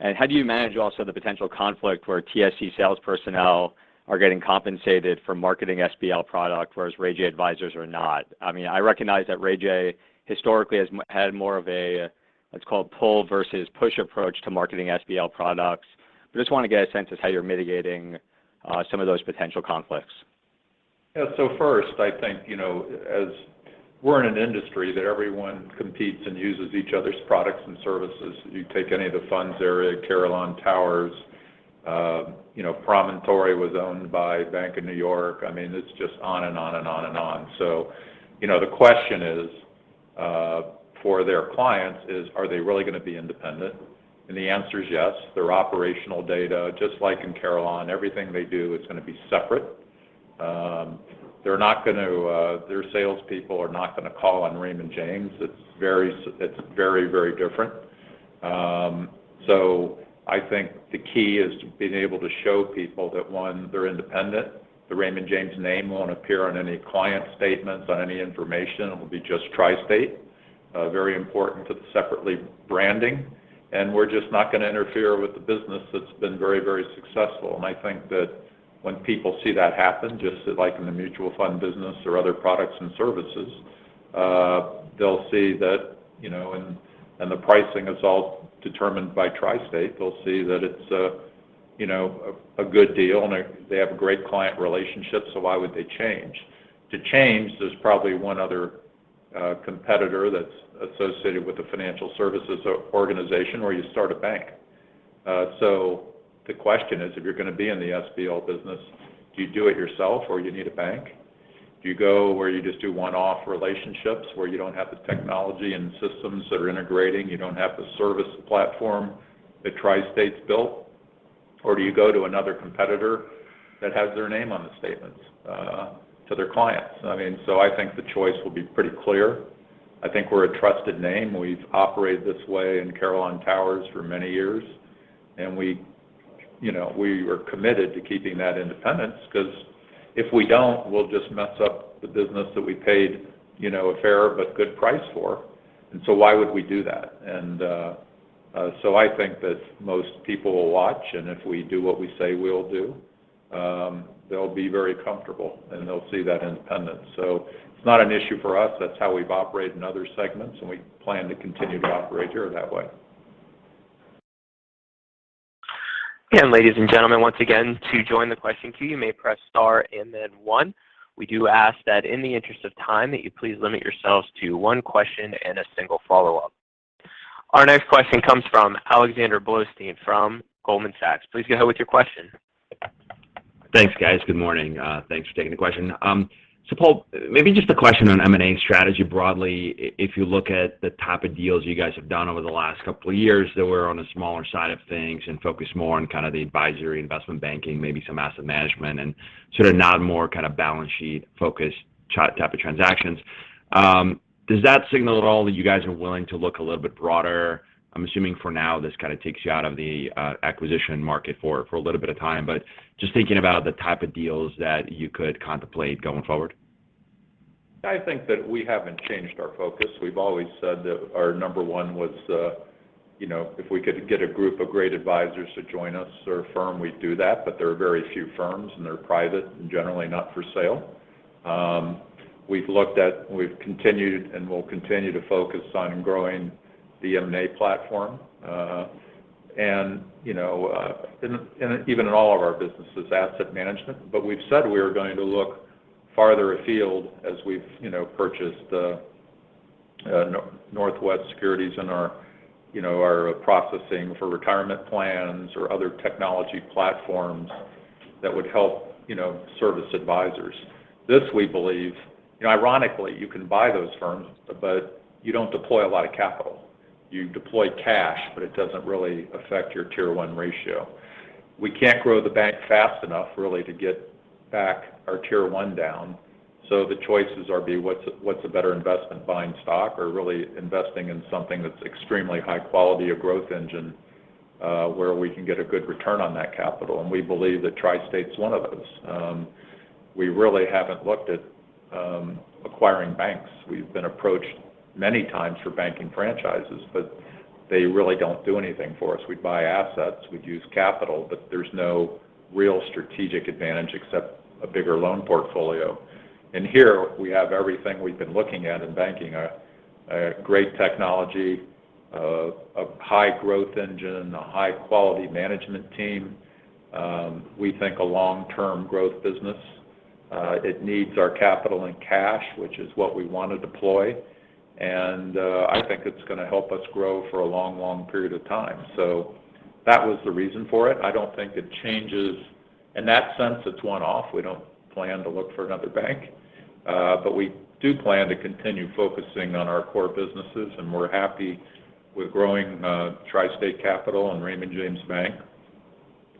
How do you manage also the potential conflict where TSC sales personnel are getting compensated for marketing SBL product, whereas RayJay advisors are not? I recognize that RayJay historically has had more of a, let's call it pull versus push approach to marketing SBL products. I just want to get a sense of how you're mitigating some of those potential conflicts. First, I think, as we're in an industry that everyone competes and uses each other's products and services. You take any of the funds area, Carillon Towers, Promontory was owned by Bank of New York. It's just on and on. The question is for their clients is, are they really going to be independent? The answer is yes. Their operational data, just like in Carillon, everything they do is going to be separate. Their salespeople are not going to call on Raymond James. It's very different. I think the key is being able to show people that, one, they're independent. The Raymond James name won't appear on any client statements, on any information. It will be just TriState. Very important to separately branding. We're just not going to interfere with the business that's been very successful. I think that when people see that happen, just like in the mutual fund business or other products and services, and the pricing is all determined by TriState, they'll see that it's a good deal, and they have a great client relationship, so why would they change? To change, there's probably one other competitor that's associated with the financial services organization where you start a bank. The question is, if you're going to be in the SBL business, do you do it yourself or you need a bank? Do you go where you just do one-off relationships where you don't have the technology and systems that are integrating, you don't have the service platform that TriState's built? Do you go to another competitor that has their name on the statements to their clients? I think the choice will be pretty clear. I think we're a trusted name. We've operated this way in Carillon Towers for many years. We are committed to keeping that independence because if we don't, we'll just mess up the business that we paid a fair but good price for. Why would we do that? I think that most people will watch, and if we do what we say we'll do, they'll be very comfortable, and they'll see that independence. It's not an issue for us. That's how we've operated in other segments, and we plan to continue to operate here that way. Again, ladies and gentlemen, once again, to join the question queue, you may press star and then one. We do ask that in the interest of time, that you please limit yourselves to one question and a single follow-up. Our next question comes from Alexander Blostein from Goldman Sachs. Please go ahead with your question. Thanks, guys. Good morning. Thanks for taking the question. Paul, maybe just a question on M&A strategy broadly. If you look at the type of deals you guys have done over the last couple of years that were on the smaller side of things and focused more on kind of the advisory investment banking, maybe some asset management and sort of not more kind of balance sheet-focused type of transactions. Does that signal at all that you guys are willing to look a little bit broader? I'm assuming for now this kind of takes you out of the acquisition market for a little bit of time. Just thinking about the type of deals that you could contemplate going forward. I think that we haven't changed our focus. We've always said that our number one was if we could get a group of great advisors to join us or a firm, we'd do that. There are very few firms, and they're private and generally not for sale. We've continued and will continue to focus on growing the M&A platform and even in all of our businesses, asset management. We've said we are going to look farther afield as we've purchased Northwest Plan Services and our processing for retirement plans or other technology platforms that would help service advisors. This we believe, ironically, you can buy those firms, but you don't deploy a lot of capital. You deploy cash, but it doesn't really affect your Tier 1 ratio. We can't grow the bank fast enough, really, to get back our Tier 1 down. The choices are what's a better investment, buying stock or really investing in something that's extremely high quality, a growth engine where we can get a good return on that capital? We believe that TriState's one of those. We really haven't looked at acquiring banks. We've been approached many times for banking franchises, but they really don't do anything for us. We'd buy assets, we'd use capital, but there's no real strategic advantage except a bigger loan portfolio. Here we have everything we've been looking at in banking. A great technology, a high growth engine, a high quality management team. We think a long-term growth business. It needs our capital and cash, which is what we want to deploy. I think it's going to help us grow for a long period of time. That was the reason for it. I don't think it changes. In that sense, it's one-off. We don't plan to look for another bank. We do plan to continue focusing on our core businesses, and we're happy with growing TriState Capital and Raymond James Bank.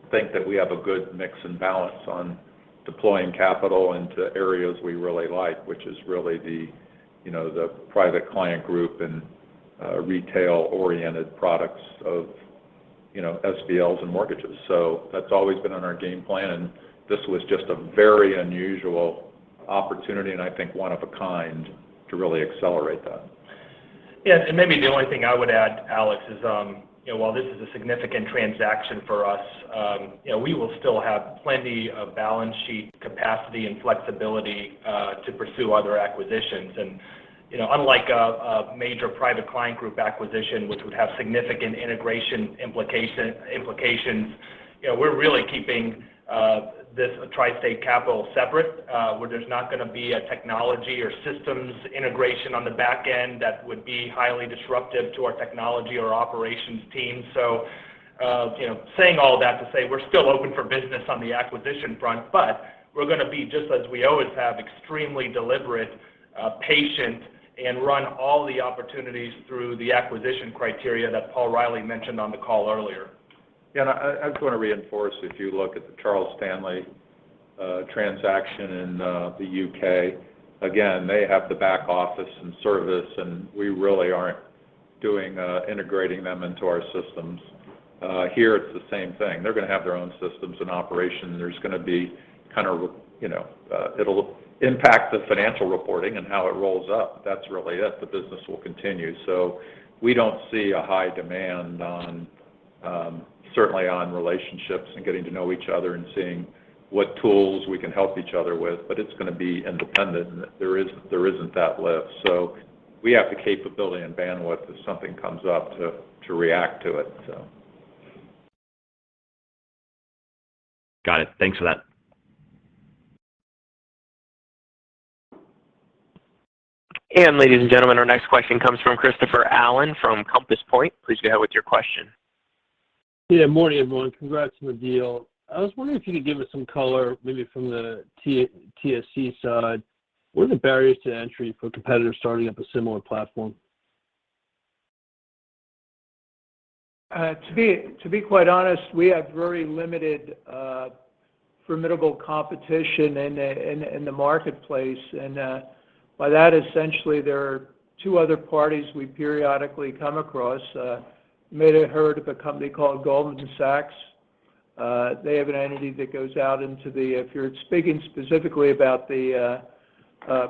I think that we have a good mix and balance on deploying capital into areas we really like, which is really the Private Client Group and retail-oriented products of SBLs and mortgages. That's always been on our game plan, and this was just a very unusual opportunity and I think one of a kind to really accelerate that. Yeah. Maybe the only thing I would add, Alex, is while this is a significant transaction for us, we will still have plenty of balance sheet capacity and flexibility to pursue other acquisitions. Unlike a major Private Client Group acquisition, which would have significant integration implications, we're really keeping this TriState Capital separate where there's not going to be a technology or systems integration on the back end that would be highly disruptive to our technology or operations team. Saying all that to say we're still open for business on the acquisition front, but we're going to be, just as we always have extremely deliberate, patient and run all the opportunities through the acquisition criteria that Paul Reilly mentioned on the call earlier. I just want to reinforce, if you look at the Charles Stanley transaction in the U.K. Again, they have the back office and service, and we really aren't integrating them into our systems. Here it's the same thing. They're going to have their own systems and operations. It'll impact the financial reporting and how it rolls up. That's really it. The business will continue. We don't see a high demand certainly on relationships and getting to know each other and seeing what tools we can help each other with. It's going to be independent, and there isn't that lift. We have the capability and bandwidth if something comes up to react to it. Got it. Thanks for that. Ladies and gentlemen, our next question comes from Christopher Allen from Compass Point. Please go ahead with your question. Morning everyone. Congrats on the deal. I was wondering if you could give us some color, maybe from the TSC side. What are the barriers to entry for competitors starting up a similar platform? To be quite honest, we have very limited formidable competition in the marketplace. By that, essentially there are two other parties we periodically come across. You may have heard of a company called Goldman Sachs. If you're speaking specifically about the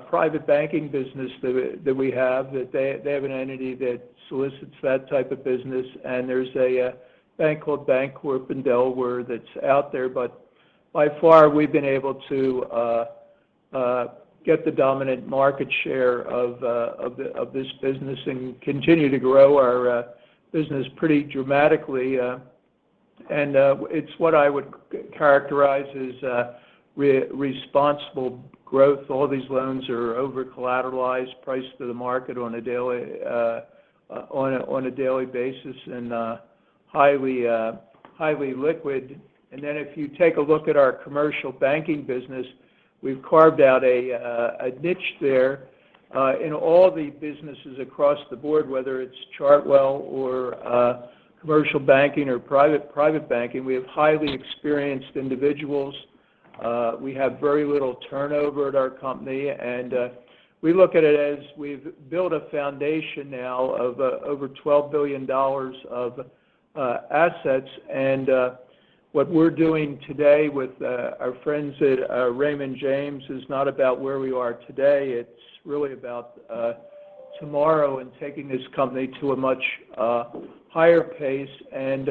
private banking business that we have, they have an entity that solicits that type of business, and there's a bank called The Bancorp in Delaware that's out there. By far, we've been able to get the dominant market share of this business and continue to grow our business pretty dramatically. It's what I would characterize as responsible growth. All these loans are overcollateralized, priced to the market on a daily basis, and highly liquid. If you take a look at our commercial banking business, we've carved out a niche there. In all the businesses across the board, whether it's Chartwell or commercial banking or private banking, we have highly experienced individuals. We have very little turnover at our company. We look at it as we've built a foundation now of over $12 billion of assets. What we're doing today with our friends at Raymond James is not about where we are today. It's really about tomorrow and taking this company to a much higher pace and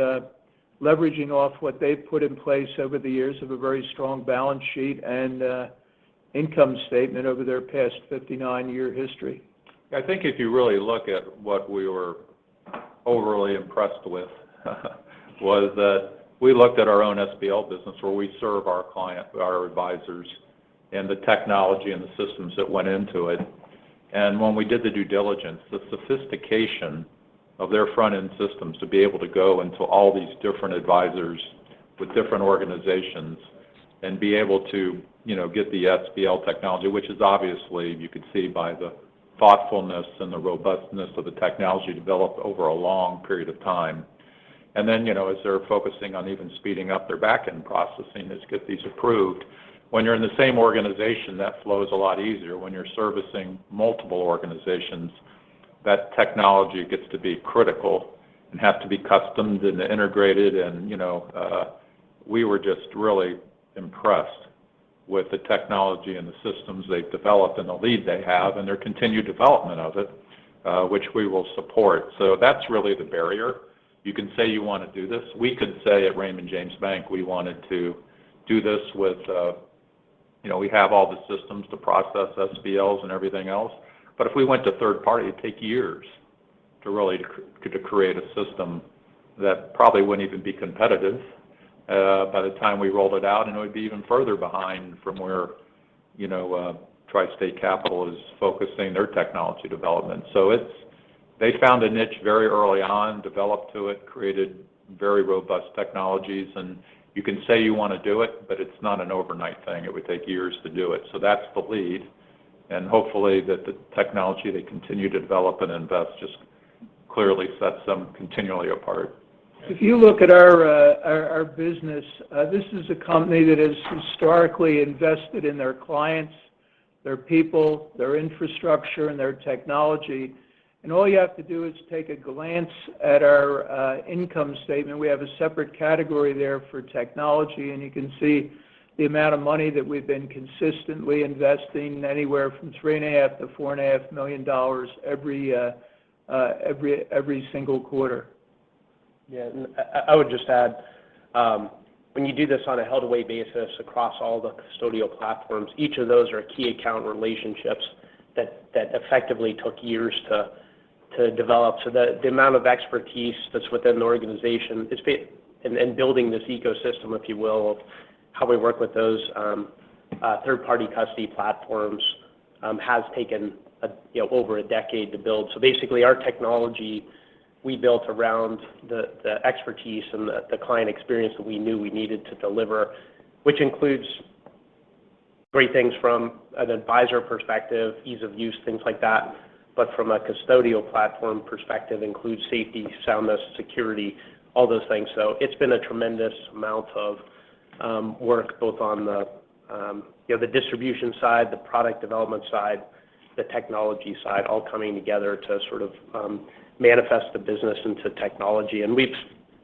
leveraging off what they've put in place over the years of a very strong balance sheet and income statement over their past 59 year history. I think if you really look at what we were overly impressed with was that we looked at our own SBL business where we serve our advisors and the technology and the systems that went into it. When we did the due diligence, the sophistication of their front-end systems to be able to go into all these different advisors with different organizations and be able to get the SBL technology. Which is obviously, you could see by the thoughtfulness and the robustness of the technology developed over a long period of time. As they're focusing on even speeding up their back-end processing to get these approved. When you're in the same organization, that flows a lot easier. When you're servicing multiple organizations. That technology gets to be critical and has to be customized and integrated. We were just really impressed with the technology and the systems they've developed and the lead they have and their continued development of it, which we will support. That's really the barrier. You can say you want to do this. We could say at Raymond James Bank, we wanted to do this, we have all the systems to process SBLs and everything else. If we went to third-party, it'd take years to really create a system that probably wouldn't even be competitive by the time we rolled it out, and it would be even further behind from where TriState Capital is focusing their technology development. They found a niche very early on, developed to it, created very robust technologies, and you can say you want to do it, but it's not an overnight thing. It would take years to do it. That's the lead, and hopefully that the technology they continue to develop and invest just clearly sets them continually apart. If you look at our business, this is a company that has historically invested in their clients, their people, their infrastructure, and their technology. All you have to do is take a glance at our income statement. We have a separate category there for technology, and you can see the amount of money that we've been consistently investing, anywhere from three and a half to four and a half million dollars every year, every single quarter. Yeah. I would just add, when you do this on a held away basis across all the custodial platforms, each of those are key account relationships that effectively took years to develop. The amount of expertise that's within the organization, and building this ecosystem, if you will, of how we work with those third-party custody platforms has taken over a decade to build. Basically, our technology we built around the expertise and the client experience that we knew we needed to deliver, which includes three things from an advisor perspective, ease of use, things like that. From a custodial platform perspective, includes safety, soundness, security, all those things. It's been a tremendous amount of work, both on the distribution side, the product development side, the technology side, all coming together to sort of manifest the business into technology. We've,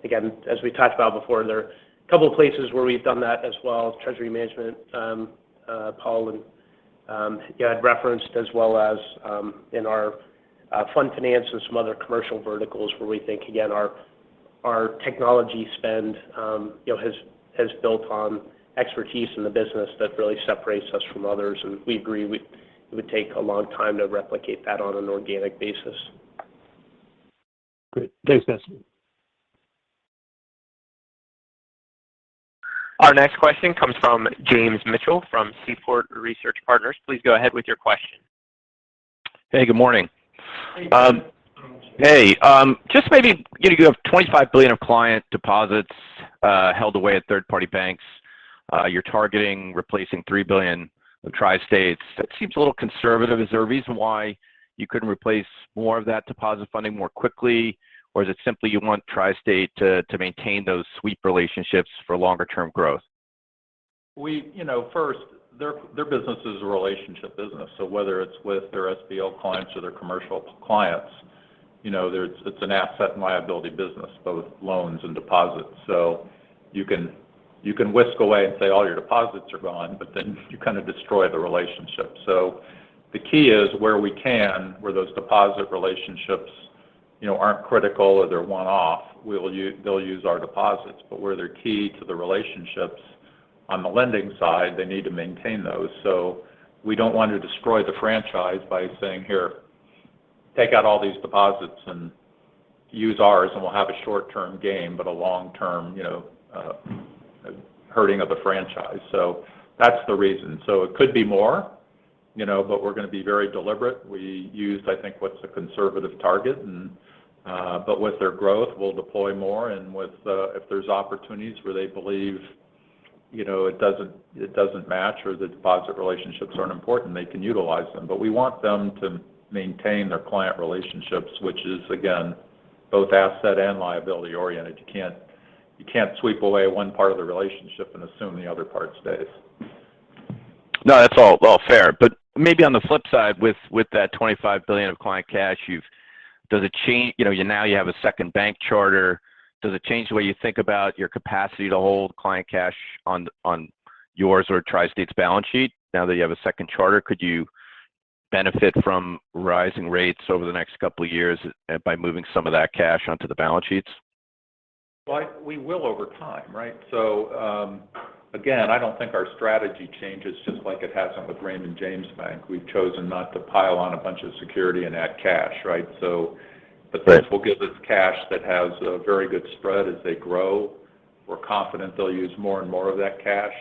again, as we talked about before, there are a couple of places where we've done that as well as treasury management. Paul had referenced as well as in our fund finance and some other commercial verticals where we think, again, our technology spend has built on expertise in the business that really separates us from others, and we agree it would take a long time to replicate that on an organic basis. Great. Thanks, guys. Our next question comes from James Mitchell from Seaport Research Partners. Please go ahead with your question. Hey, good morning. Hey. Hey. Just maybe getting you up $25 billion of client deposits held away at third party banks. You're targeting replacing $3 billion of TriState's. That seems a little conservative. Is there a reason why you couldn't replace more of that deposit funding more quickly? Is it simply you want TriState to maintain those sweep relationships for longer term growth? First, their business is a relationship business, whether it's with their SBL clients or their commercial clients, it's an asset and liability business, both loans and deposits. You can whisk away and say all your deposits are gone, you kind of destroy the relationship. The key is where we can, where those deposit relationships aren't critical or they're one-off, they'll use our deposits. Where they're key to the relationships on the lending side, they need to maintain those. We don't want to destroy the franchise by saying, "Here, take out all these deposits and use ours," we'll have a short-term game, a long-term hurting of the franchise. That's the reason. It could be more, we're going to be very deliberate. We used, I think, what's a conservative target. With their growth, we'll deploy more, and if there's opportunities where they believe it doesn't match or the deposit relationships aren't important, they can utilize them. We want them to maintain their client relationships, which is, again, both asset and liability oriented. You can't sweep away one part of the relationship and assume the other part stays. No, that's all fair. Maybe on the flip side, with that $25 billion of client cash, now you have a second bank charter. Does it change the way you think about your capacity to hold client cash on yours or TriState's balance sheet? Now that you have a second charter, could you benefit from rising rates over the next couple of years by moving some of that cash onto the balance sheets? We will over time. Again, I don't think our strategy changes just like it hasn't with Raymond James Bank. We've chosen not to pile on a bunch of security and add cash. The banks will give us cash that has a very good spread as they grow. We're confident they'll use more and more of that cash,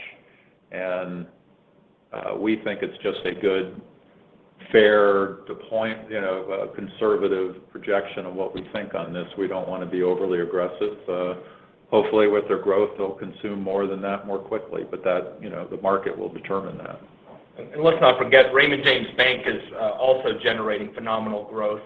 and we think it's just a good, fair deployment, a conservative projection of what we think on this. We don't want to be overly aggressive. Hopefully, with their growth, they'll consume more than that more quickly, but the market will determine that. Let's not forget Raymond James Bank is also generating phenomenal growth.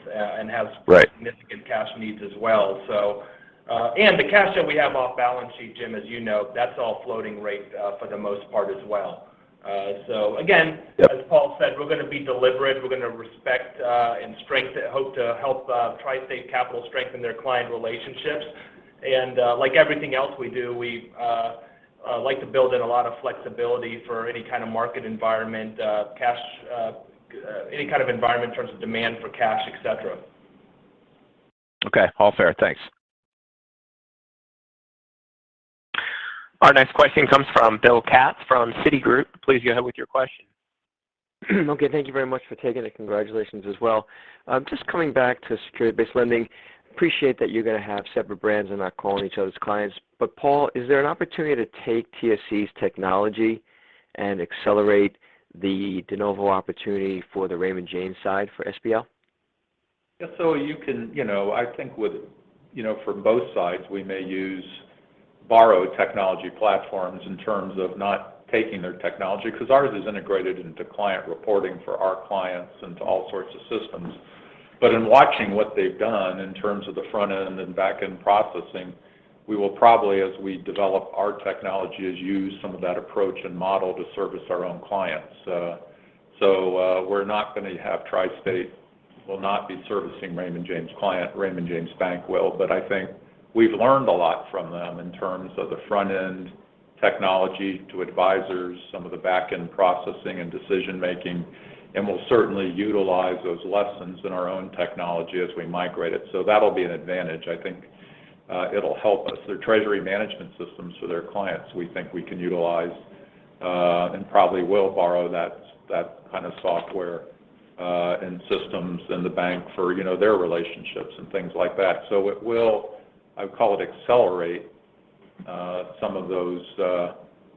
Right. Significant cash needs as well. The cash that we have off balance sheet, Jim, as you know, that's all floating rate for the most part as well. Yep. Again as Paul said, we're going to be deliberate. We're going to respect and hope to help TriState Capital strengthen their client relationships. Like everything else we do, we like to build in a lot of flexibility for any kind of market environment, any kind of environment in terms of demand for cash, et cetera. Okay. All fair. Thanks. Our next question comes from William Katz from Citigroup. Please go ahead with your question. Okay. Thank you very much for taking it. Congratulations as well. Just coming back to security-based lending, appreciate that you're going to have separate brands and not calling each other's clients. Paul, is there an opportunity to take TSC's technology and accelerate the de novo opportunity for the Raymond James side for SBL? Yeah. I think for both sides, we may use borrowed technology platforms in terms of not taking their technology because ours is integrated into client reporting for our clients and to all sorts of systems. In watching what they've done in terms of the front end and back end processing, we will probably, as we develop our technology, is use some of that approach and model to service our own clients. TriState will not be servicing Raymond James' client. Raymond James Bank will. I think we've learned a lot from them in terms of the front end technology to advisors, some of the back end processing and decision making, and we'll certainly utilize those lessons in our own technology as we migrate it. That'll be an advantage. I think it'll help us. Their treasury management systems for their clients, we think we can utilize, and probably will borrow that kind of software and systems in the bank for their relationships and things like that. It will, I would call it accelerate some of those.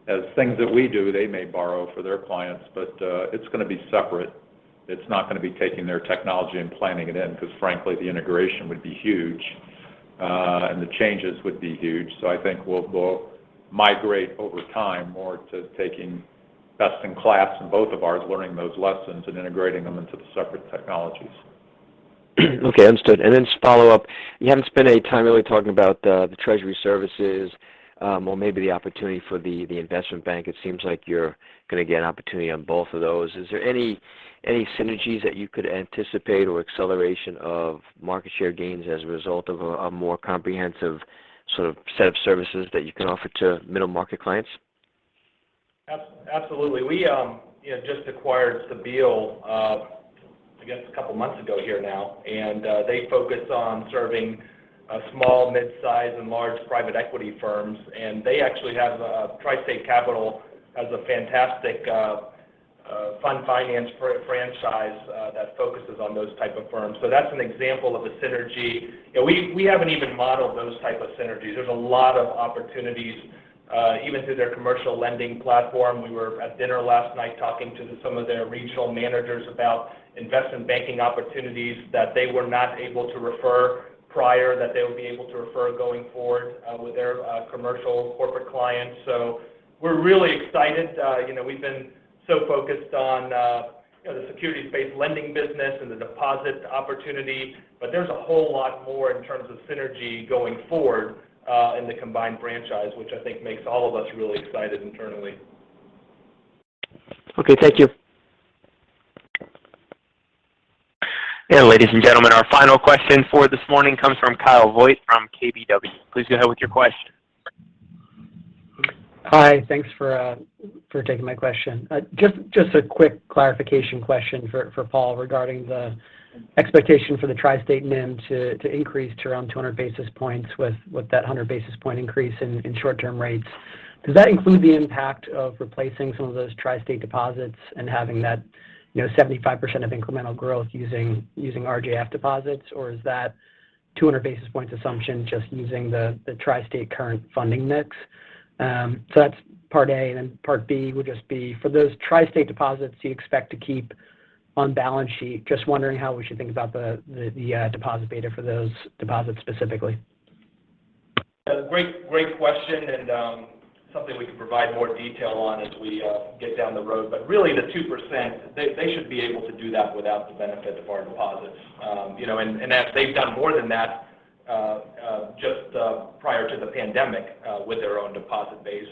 As things that we do, they may borrow for their clients, but it's going to be separate. It's not going to be taking their technology and planning it in because frankly, the integration would be huge. The changes would be huge. I think we'll migrate over time more to taking best in class in both of ours, learning those lessons and integrating them into the separate technologies. Okay. Understood. Just follow up, you haven't spent any time really talking about the treasury services, or maybe the opportunity for the investment bank. It seems like you're going to get an opportunity on both of those. Is there any synergies that you could anticipate or acceleration of market share gains as a result of a more comprehensive sort of set of services that you can offer to middle-market clients? Absolutely. We just acquired Cebile Capital, I guess a couple of months ago here now. They focus on serving small, mid-size, and large private equity firms. TriState Capital has a fantastic fund finance franchise that focuses on those type of firms. That's an example of a synergy. We haven't even modeled those type of synergies. There's a lot of opportunities even through their commercial lending platform. We were at dinner last night talking to some of their regional managers about investment banking opportunities that they were not able to refer prior, that they would be able to refer going forward with their commercial corporate clients. We're really excited. We've been so focused on the securities-based lending business and the deposit opportunity, but there's a whole lot more in terms of synergy going forward in the combined franchise, which I think makes all of us really excited internally. Okay. Thank you. Ladies and gentlemen, our final question for this morning comes from Kyle Voigt from KBW. Please go ahead with your question. Hi. Thanks for taking my question. Just a quick clarification question for Paul regarding the expectation for the TriState NIM to increase to around 200 basis points with that 100 basis point increase in short-term rates. Does that include the impact of replacing some of those TriState deposits and having that 75% of incremental growth using RJF deposits, or is that 200 basis points assumption just using the TriState current funding mix? That's part A, and then part B would just be, for those TriState deposits you expect to keep on balance sheet, just wondering how we should think about the deposit beta for those deposits specifically. A great question, something we can provide more detail on as we get down the road. Really, the 2%, they should be able to do that without the benefit of our deposits. They've done more than that just prior to the pandemic with their own deposit base.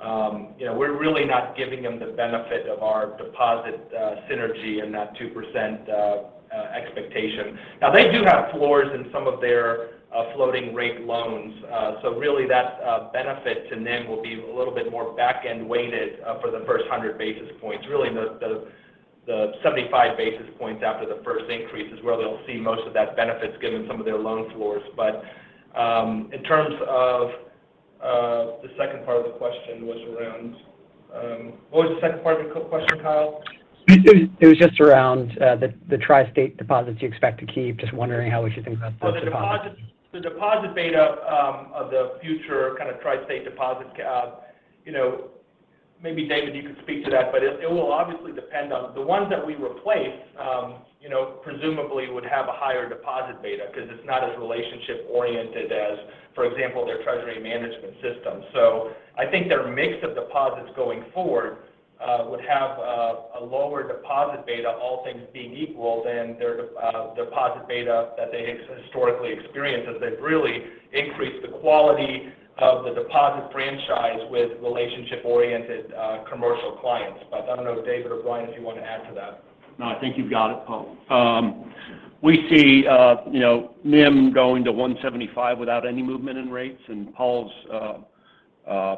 We're really not giving them the benefit of our deposit synergy in that 2% expectation. Now, they do have floors in some of their floating rate loans. Really that benefit to NIM will be a little bit more back-end weighted for the first 100 basis points. Really, the 75 basis points after the first increase is where they'll see most of that benefit given some of their loan floors. In terms of the second part of the question was around, what was the second part of your question, Kyle? It was just around the TriState deposits you expect to keep. Just wondering how we should think about those deposits. The deposit beta of the future kind of TriState deposit, maybe David, you could speak to that. It will obviously depend on the ones that we replace presumably would have a higher deposit beta because it's not as relationship oriented as, for example, their treasury management system. I think their mix of deposits going forward would have a lower deposit beta, all things being equal, than their deposit beta that they historically experienced, as they've really increased the quality of the deposit franchise with relationship-oriented commercial clients. I don't know if David or Brian, if you want to add to that. No, I think you've got it, Paul. We see NIM going to 175 without any movement in rates and Paul's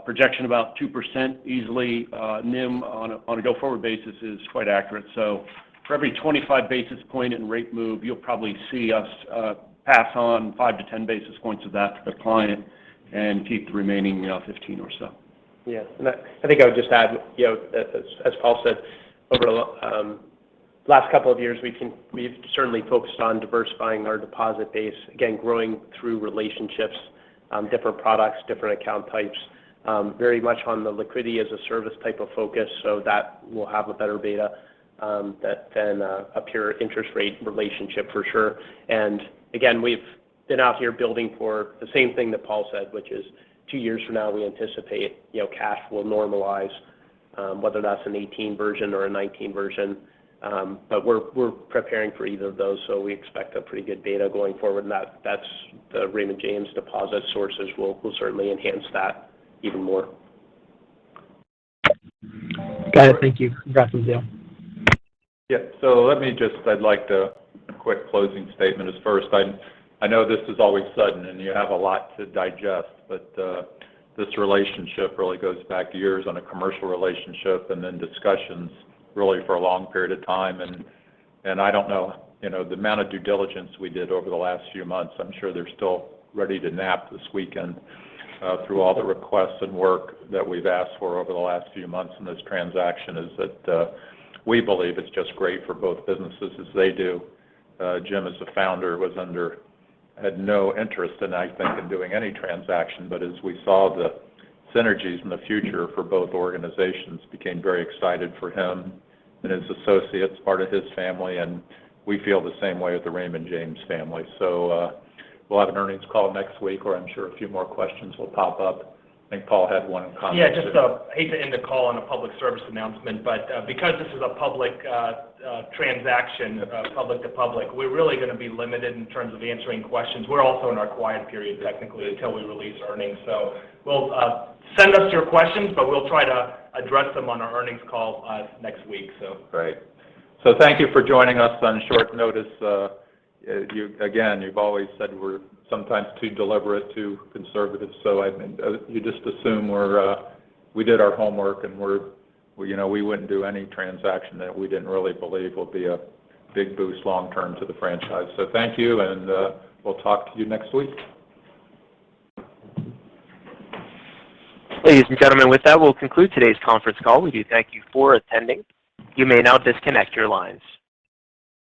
projection about 2% easily NIM on a go-forward basis is quite accurate. For every 25 basis point in rate move, you'll probably see us pass on 5-10 basis points of that to the client and keep the remaining 15 or so. I think I would just add, as Paul said, over the last two years, we've certainly focused on diversifying our deposit base, again, growing through relationships, different products, different account types. Very much on the liquidity as a service type of focus, that will have a better beta than a pure interest rate relationship for sure. We've been out here building for the same thing that Paul said, which is two years from now, we anticipate cash will normalize, whether that's an '18 version or a '19 version. We're preparing for either of those, we expect a pretty good beta going forward, the Raymond James deposit sources will certainly enhance that even more. Got it. Thank you. Congratulations to you. I'd like a quick closing statement. First, I know this is all sudden, and you have a lot to digest, but this relationship really goes back years on a commercial relationship and then discussions really for a long period of time. I don't know the amount of due diligence we did over the last few months. I'm sure they're still ready to nap this weekend through all the requests and work that we've asked for over the last few months in this transaction is that we believe it's just great for both businesses as they do. James, as the founder, had no interest, and I think in doing any transaction, but as we saw the synergies in the future for both organizations became very excited for him and his associates, part of his family, and we feel the same way with the Raymond James family. We'll have an earnings call next week where I'm sure a few more questions will pop up. I think Paul had one comment. Yeah. I hate to end the call on a public service announcement, but because this is a public transaction, public to public, we're really going to be limited in terms of answering questions. We're also in our quiet period technically until we release earnings. Send us your questions, but we'll try to address them on our earnings call next week. Great. Thank you for joining us on short notice. Again, you've always said we're sometimes too deliberate, too conservative. You just assume we did our homework and we wouldn't do any transaction that we didn't really believe would be a big boost long term to the franchise. Thank you, and we'll talk to you next week. Ladies and gentlemen, with that, we'll conclude today's conference call. We do thank you for attending. You may now disconnect your lines.